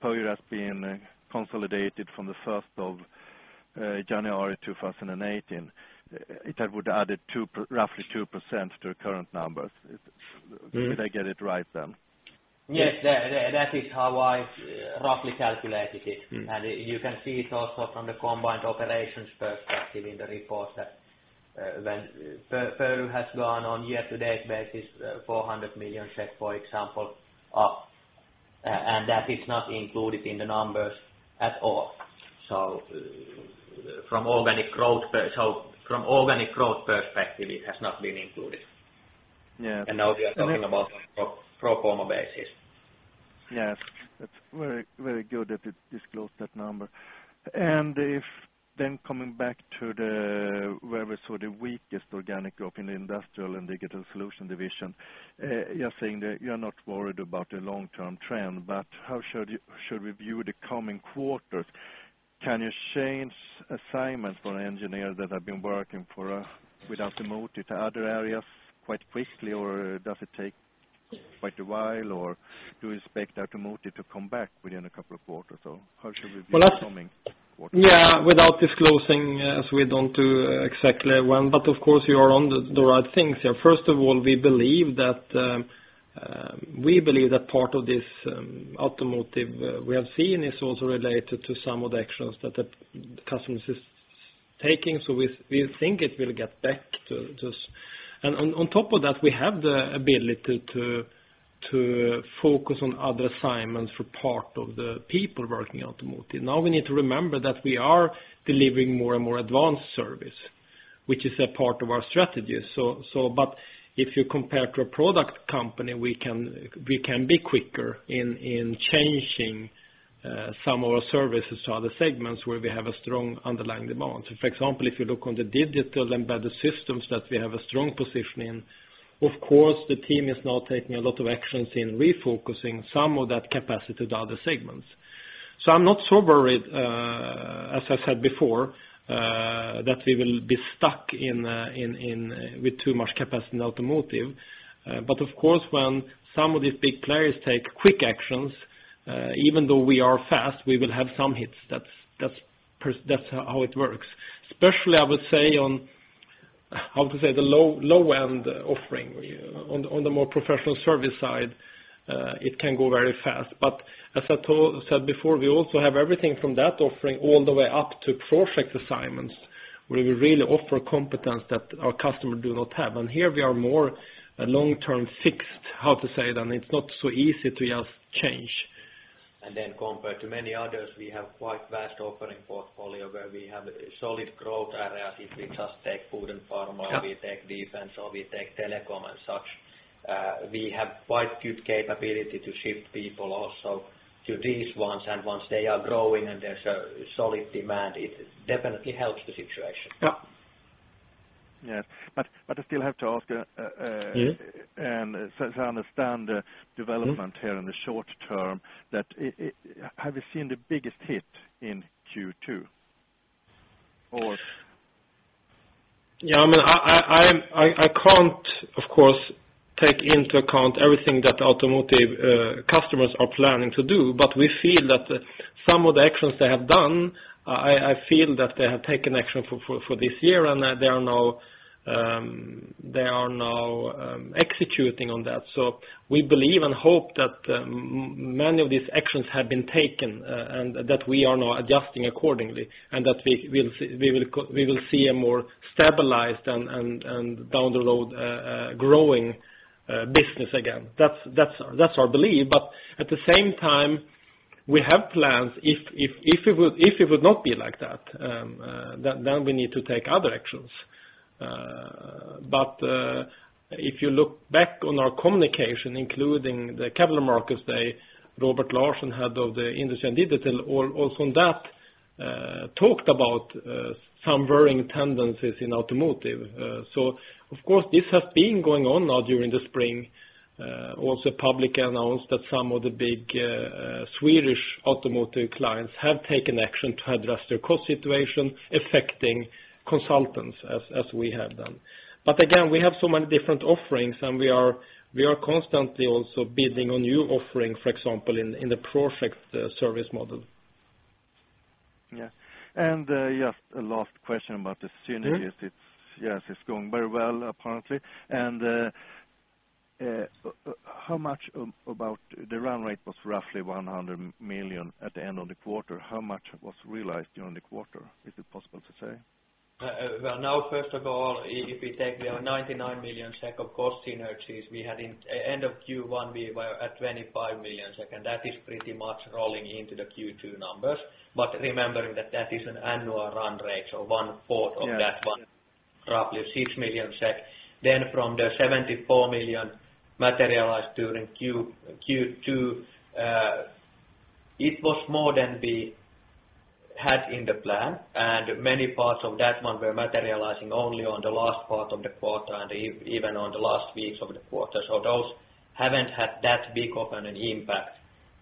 Pöyry has been consolidated from the 1st of January 2018, that would added roughly 2% to the current numbers. Did I get it right then? Yes. That is how I roughly calculated it. You can see it also from the combined operations perspective in the report that when Pöyry has gone on year-to-date basis, 400 million, for example, up. That is not included in the numbers at all. From organic growth perspective, it has not been included. Yeah. Now we are talking about pro forma basis. Yes. That is very good that it disclosed that number. If then coming back to where we saw the weakest organic growth in the Industrial & Digital Solutions division. You are saying that you are not worried about the long-term trend, but how should we view the coming quarters? Can you change assignment for an engineer that have been working with automotive to other areas quite quickly or does it take quite a while? Do you expect automotive to come back within a couple of quarters, or how should we view the coming quarters? Yeah. Without disclosing, as we don't do exactly when, of course you are on the right things here. First of all, we believe that part of this automotive we have seen is also related to some of the actions that the customers is taking. We think it will get back to this. On top of that, we have the ability to focus on other assignments for part of the people working automotive. Now we need to remember that we are delivering more and more advanced service, which is a part of our strategy. If you compare to a product company, we can be quicker in changing some of our services to other segments where we have a strong underlying demand. For example, if you look on the digital and by the systems that we have a strong position in, of course, the team is now taking a lot of actions in refocusing some of that capacity to other segments. I'm not so worried, as I said before, that we will be stuck with too much capacity in automotive. Of course, when some of these big players take quick actions, even though we are fast, we will have some hits. That's how it works. Especially, I would say on the low-end offering. On the more professional service side, it can go very fast. As I said before, we also have everything from that offering all the way up to project assignments, where we really offer competence that our customer do not have. Here we are more a long-term fixed, how to say it? It's not so easy to just change. Compared to many others, we have quite vast offering portfolio where we have solid growth areas. If we just take food and pharma- Yeah we take defense or we take telecom and such. We have quite good capability to shift people also to these ones. Once they are growing and there's a solid demand, it definitely helps the situation. Yeah. Yes. I still have to ask. as I understand the development here in the short term, have you seen the biggest hit in Q2? Yeah. I can't, of course, take into account everything that automotive customers are planning to do, we feel that some of the actions they have done, I feel that they have taken action for this year, and they are now executing on that. We believe and hope that many of these actions have been taken, and that we are now adjusting accordingly, and that we will see a more stabilized and down the road growing business again. That's our belief. At the same time, we have plans. If it would not be like that, we need to take other actions. If you look back on our communication, including the capital Markets Day, Robert Larsson, Head of the Industry and Digital, also on that, talked about some varying tendencies in automotive. Of course, this has been going on now during the spring. Also publicly announced that some of the big Swedish automotive clients have taken action to address their cost situation, affecting consultants as we have done. Again, we have so many different offerings, and we are constantly also bidding on new offering, for example, in the project service model. Just a last question about the synergies. It's going very well, apparently. The run rate was roughly 100 million at the end of the quarter. How much was realized during the quarter? Is it possible to say? First of all, if we take the 99 million of cost synergies we had in end of Q1, we were at 25 million, and that is pretty much rolling into the Q2 numbers. But remembering that that is an annual run rate, so one fourth of that one, roughly 6 million SEK. From the 74 million materialized during Q2, it was more than we had in the plan, and many parts of that one were materializing only on the last part of the quarter and even on the last weeks of the quarter. Those haven't had that big of an impact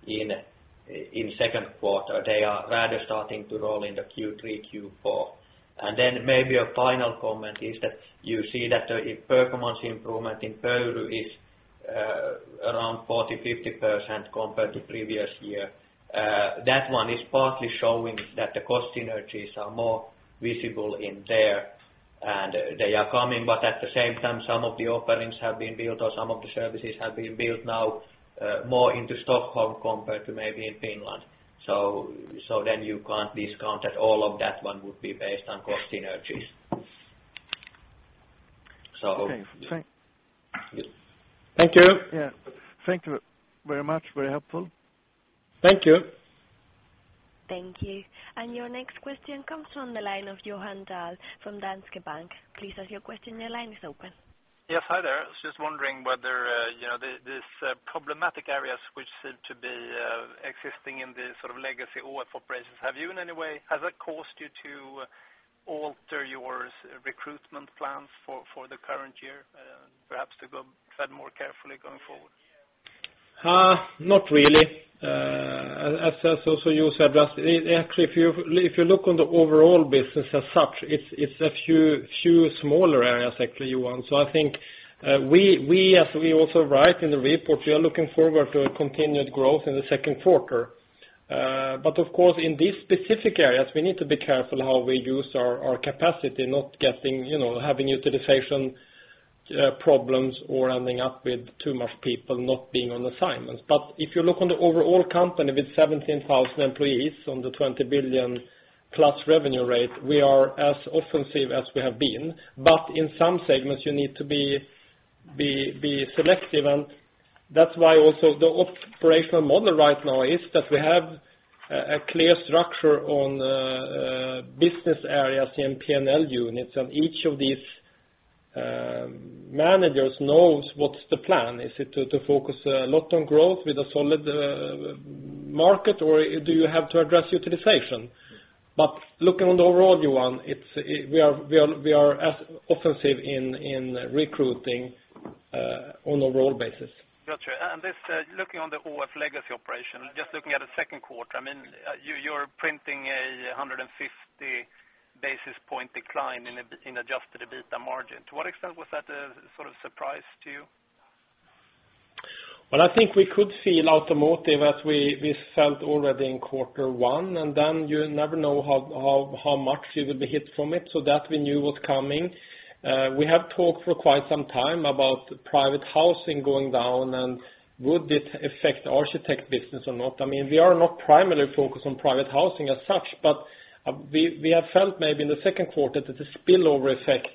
in second quarter. They are rather starting to roll in the Q3, Q4. Maybe a final comment is that you see that the performance improvement in Pöyry is around 40%-50% compared to previous year. That one is partly showing that the cost synergies are more visible in there, and they are coming. At the same time, some of the openings have been built or some of the services have been built now more into Stockholm compared to maybe in Finland. You can't discount that all of that one would be based on cost synergies. Okay. Thank you. Yeah. Thank you very much. Very helpful. Thank you. Thank you. Your next question comes from the line of Johan Dahl from Danske Bank. Please ask your question. Your line is open. Yes. Hi there. I was just wondering whether these problematic areas which seem to be existing in the legacy ÅF operations, have that caused you to alter your recruitment plans for the current year perhaps to tread more carefully going forward? Not really. As also you said, just actually, if you look on the overall business as such, it's a few smaller areas actually, Johan. I think, we as we also write in the report, we are looking forward to a continued growth in the second quarter. Of course, in these specific areas, we need to be careful how we use our capacity not having utilization problems or ending up with too much people not being on assignments. If you look on the overall company with 17,000 employees on the 20 billion plus revenue rate, we are as offensive as we have been. In some segments, you need to be selective, and that's why also the operational model right now is that we have a clear structure on business areas in P&L units. Each of these managers knows what's the plan. Is it to focus a lot on growth with a solid market, or do you have to address utilization? Looking on the overall, Johan, we are as offensive in recruiting on overall basis. Got you. Looking on the ÅF legacy operation, just looking at the second quarter, you are printing a 150 basis point decline in adjusted EBITDA margin. To what extent was that a sort of surprise to you? I think we could feel automotive as we felt already in quarter one. You never know how much you will be hit from it, that we knew was coming. We have talked for quite some time about private housing going down, would this affect the architect business or not? We are not primarily focused on private housing as such, but we have felt maybe in the second quarter that the spillover effect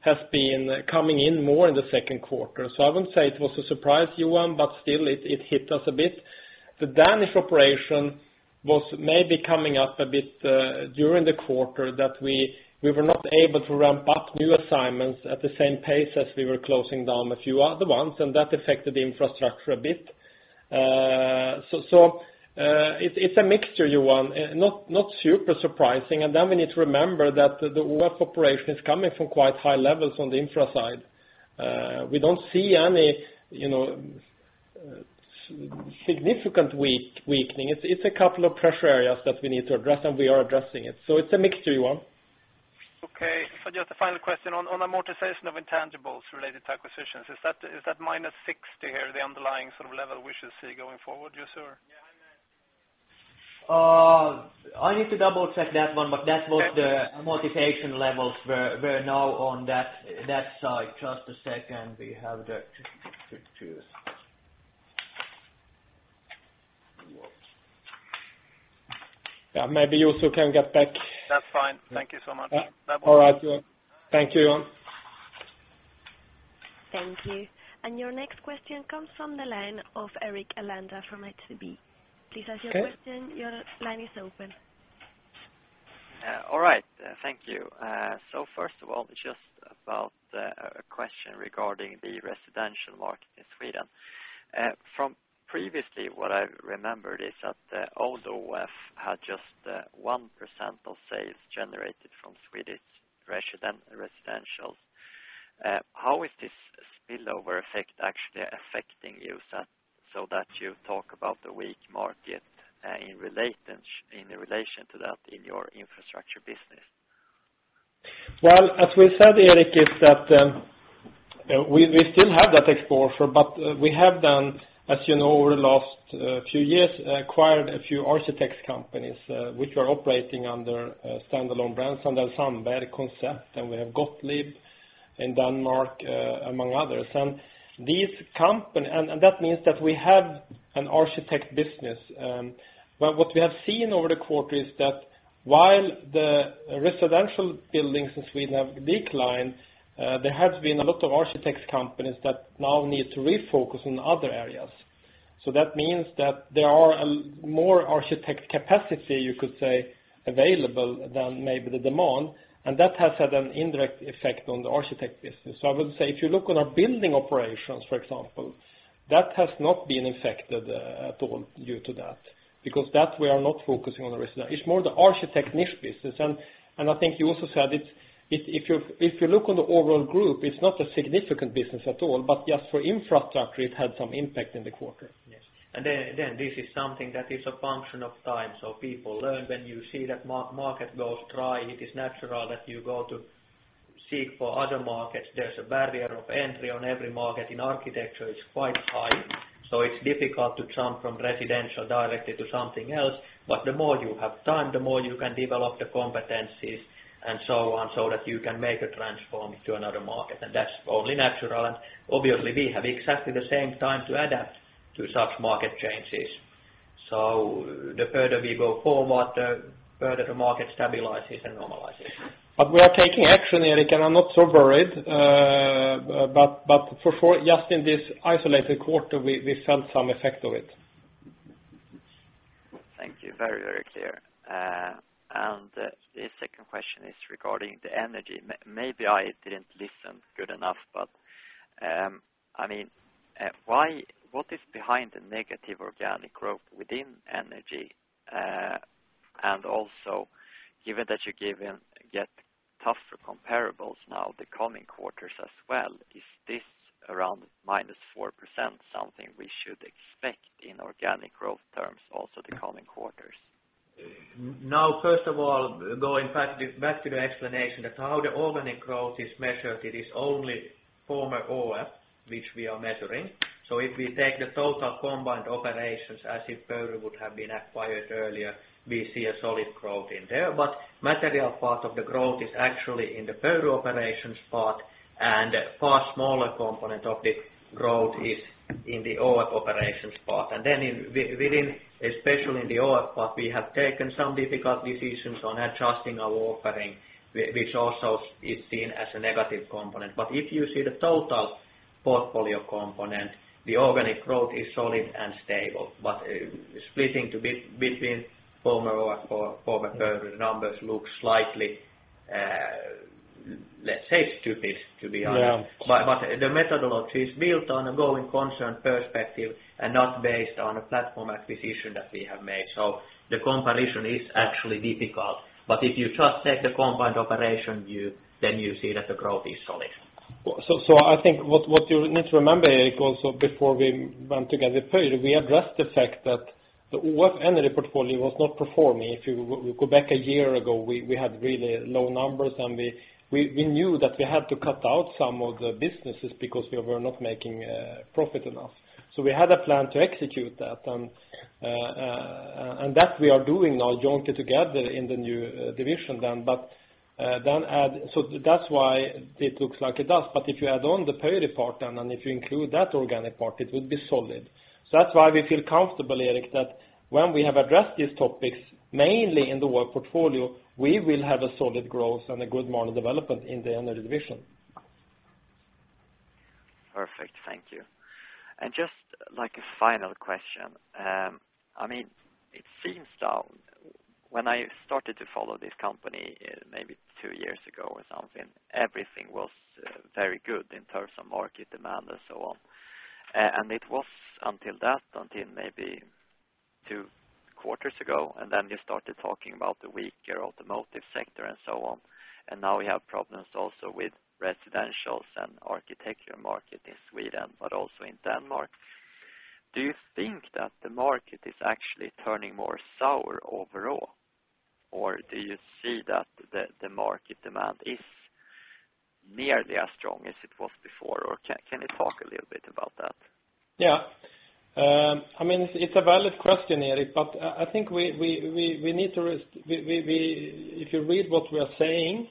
has been coming in more in the second quarter. I would not say it was a surprise, Johan, but still it hit us a bit. The Danish operation was maybe coming up a bit, during the quarter that we were not able to ramp up new assignments at the same pace as we were closing down a few other ones, that affected the infrastructure a bit. It is a mixture, Johan, not super surprising. We need to remember that the ÅF operation is coming from quite high levels on the infra side. We do not see any significant weakening. It is a couple of pressure areas that we need to address, we are addressing it. It is a mixture, Johan. Okay. Just a final question. On amortization of intangibles related to acquisitions, is that -60 million here, the underlying sort of level we should see going forward, Juuso? Yeah, I know. I need to double-check that one, but that was the amortization levels were now on that side. Just a second. We have that. Yeah. Maybe Juuso can get back. That's fine. Thank you so much. Bye-bye. All right, Johan. Thank you, Johan. Thank you. Your next question comes from the line of Erik Elander from HCB. Okay. Please ask your question. Your line is open. All right. Thank you. First of all, just about a question regarding the residential market in Sweden. From previously, what I remembered is that the older ÅF had just 1% of sales generated from Swedish residentials. How is this spillover effect actually affecting you, so that you talk about the weak market in relation to that in your infrastructure business? Well, as we said, Erik, is that we still have that exposure, but we have done, as you know, over the last few years, acquired a few architects companies, which are operating under a standalone brand, Sandellsandberg Concept, and we have Gottlieb in Denmark, among others. That means that we have an architect business. What we have seen over the quarter is that while the residential buildings in Sweden have declined, there have been a lot of architects companies that now need to refocus on other areas. That means that there are more architect capacity, you could say, available than maybe the demand, and that has had an indirect effect on the architect business. I would say if you look on our building operations, for example, that has not been affected at all due to that, because that we are not focusing on the residential. It's more the architect niche business. I think you also said it, if you look on the overall group, it's not a significant business at all, but just for infrastructure, it had some impact in the quarter. Yes. This is something that is a function of time. People learn when you see that market goes dry, it is natural that you go to seek for other markets. There's a barrier of entry on every market. In architecture, it's quite high, so it's difficult to jump from residential directly to something else. The more you have time, the more you can develop the competencies and so on, so that you can make a transform to another market, and that's only natural. Obviously we have exactly the same time to adapt to such market changes. The further we go forward, the further the market stabilizes and normalizes. We are taking action, Erik, and I'm not so worried. For sure, just in this isolated quarter, we felt some effect of it. Thank you. Very, very clear. The second question is regarding the Energy. Maybe I didn't listen good enough, but what is behind the negative organic growth within Energy? Also, given that you get tougher comparables now the coming quarters as well, is this around -4% something we should expect in organic growth terms also the coming quarters? First of all, going back to the explanation that how the organic growth is measured, it is only former ÅF which we are measuring. If we take the total combined operations as if Pöyry would have been acquired earlier, we see a solid growth in there. Material part of the growth is actually in the Pöyry operations part, and far smaller component of the growth is in the ÅF operations part. Then within, especially in the ÅF part, we have taken some difficult decisions on adjusting our offering, which also is seen as a negative component. If you see the total portfolio component, the organic growth is solid and stable. Splitting between former ÅF or former Pöyry numbers looks slightly, let's say, stupid, to be honest. Yeah. The methodology is built on a going concern perspective and not based on a platform acquisition that we have made. The comparison is actually difficult. If you just take the combined operation view, you see that the growth is solid. I think what you need to remember, Erik, also before we went together, Pöyry, we addressed the fact that the ÅF energy portfolio was not performing. If you go back a year ago, we had really low numbers, and we knew that we had to cut out some of the businesses because we were not making profit enough. We had a plan to execute that, and that we are doing now jointly together in the new division then. That's why it looks like it does. If you add on the Pöyry part, and if you include that organic part, it would be solid. That's why we feel comfortable, Erik, that when we have addressed these topics, mainly in the work portfolio, we will have a solid growth and a good model development in the energy division. Perfect. Thank you. Just like a final question. It seems now, when I started to follow this company, maybe two years ago or something, everything was very good in terms of market demand and so on. It was until that, until maybe two quarters ago, then you started talking about the weaker automotive sector and so on. Now we have problems also with residentials and architecture market in Sweden, but also in Denmark. Do you think that the market is actually turning more sour overall? Do you see that the market demand is nearly as strong as it was before? Can you talk a little bit about that? Yeah. It's a valid question, Erik, but I think if you read what we're saying,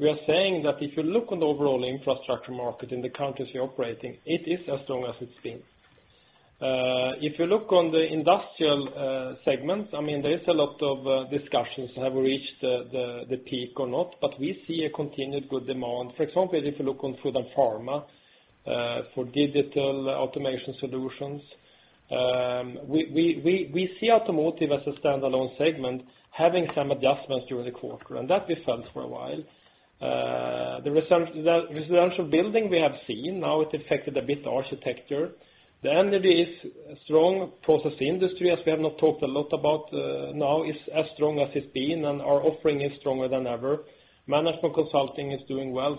we are saying that if you look on the overall infrastructure market in the countries we're operating, it is as strong as it's been. If you look on the industrial segment, there is a lot of discussions, have we reached the peak or not, but we see a continued good demand. For example, if you look on food and pharma, for digital automation solutions. We see automotive as a standalone segment, having some adjustments during the quarter, and that we felt for a while. The residential building we have seen, now it affected a bit architecture. The energy is strong. Process industry, as we have not talked a lot about, now is as strong as it's been, and our offering is stronger than ever. Management consulting is doing well.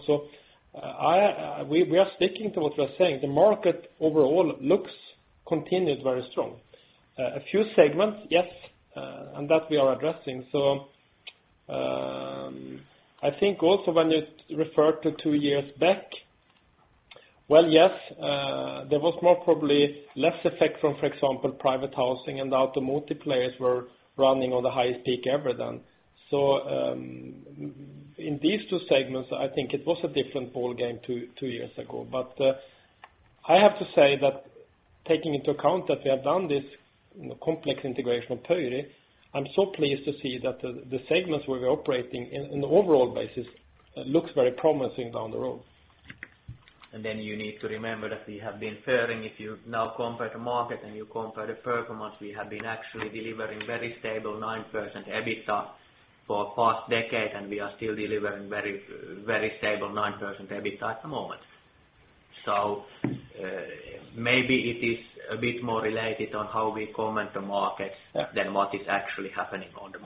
We are sticking to what we are saying. The market overall looks continued very strong. A few segments, yes, and that we are addressing. I think also when you referred to two years back, well, yes, there was more probably less effect from, for example, private housing and automotive players were running on the highest peak ever then. In these two segments, I think it was a different ballgame two years ago. I have to say that taking into account that we have done this complex integration of Pöyry, I'm so pleased to see that the segments where we're operating in the overall basis looks very promising down the road. You need to remember that we have been faring. If you now compare the market and you compare the performance, we have been actually delivering very stable 9% EBITDA for a past decade, and we are still delivering very stable 9% EBITDA at the moment. Maybe it is a bit more related on how we comment the markets. Yeah than what is actually happening on the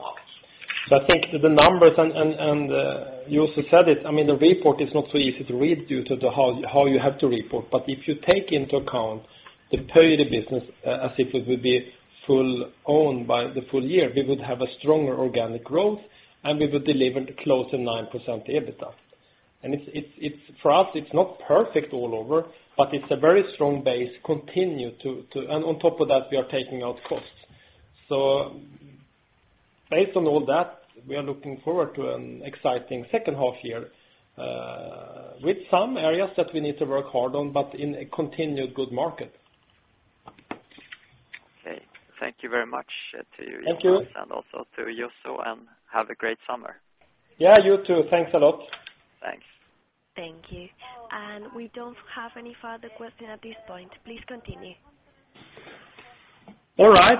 markets. I think the numbers, and you also said it, the report is not so easy to read due to how you have to report. If you take into account the Pöyry business as if it would be full owned by the full year, we would have a stronger organic growth, and we would deliver close to 9% EBITDA. For us, it's not perfect all over, but it's a very strong base. On top of that, we are taking out costs. Based on all that, we are looking forward to an exciting second half year with some areas that we need to work hard on, but in a continued good market. Okay. Thank you very much to you, Jonas. Thank you Also to Juuso, have a great summer. Yeah, you too. Thanks a lot. Thanks. Thank you. We don't have any further question at this point. Please continue. All right.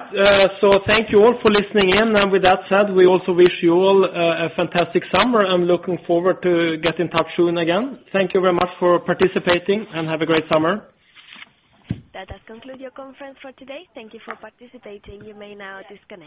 Thank you all for listening in. With that said, we also wish you all a fantastic summer. I'm looking forward to get in touch soon again. Thank you very much for participating, and have a great summer. That does conclude your conference for today. Thank you for participating. You may now disconnect.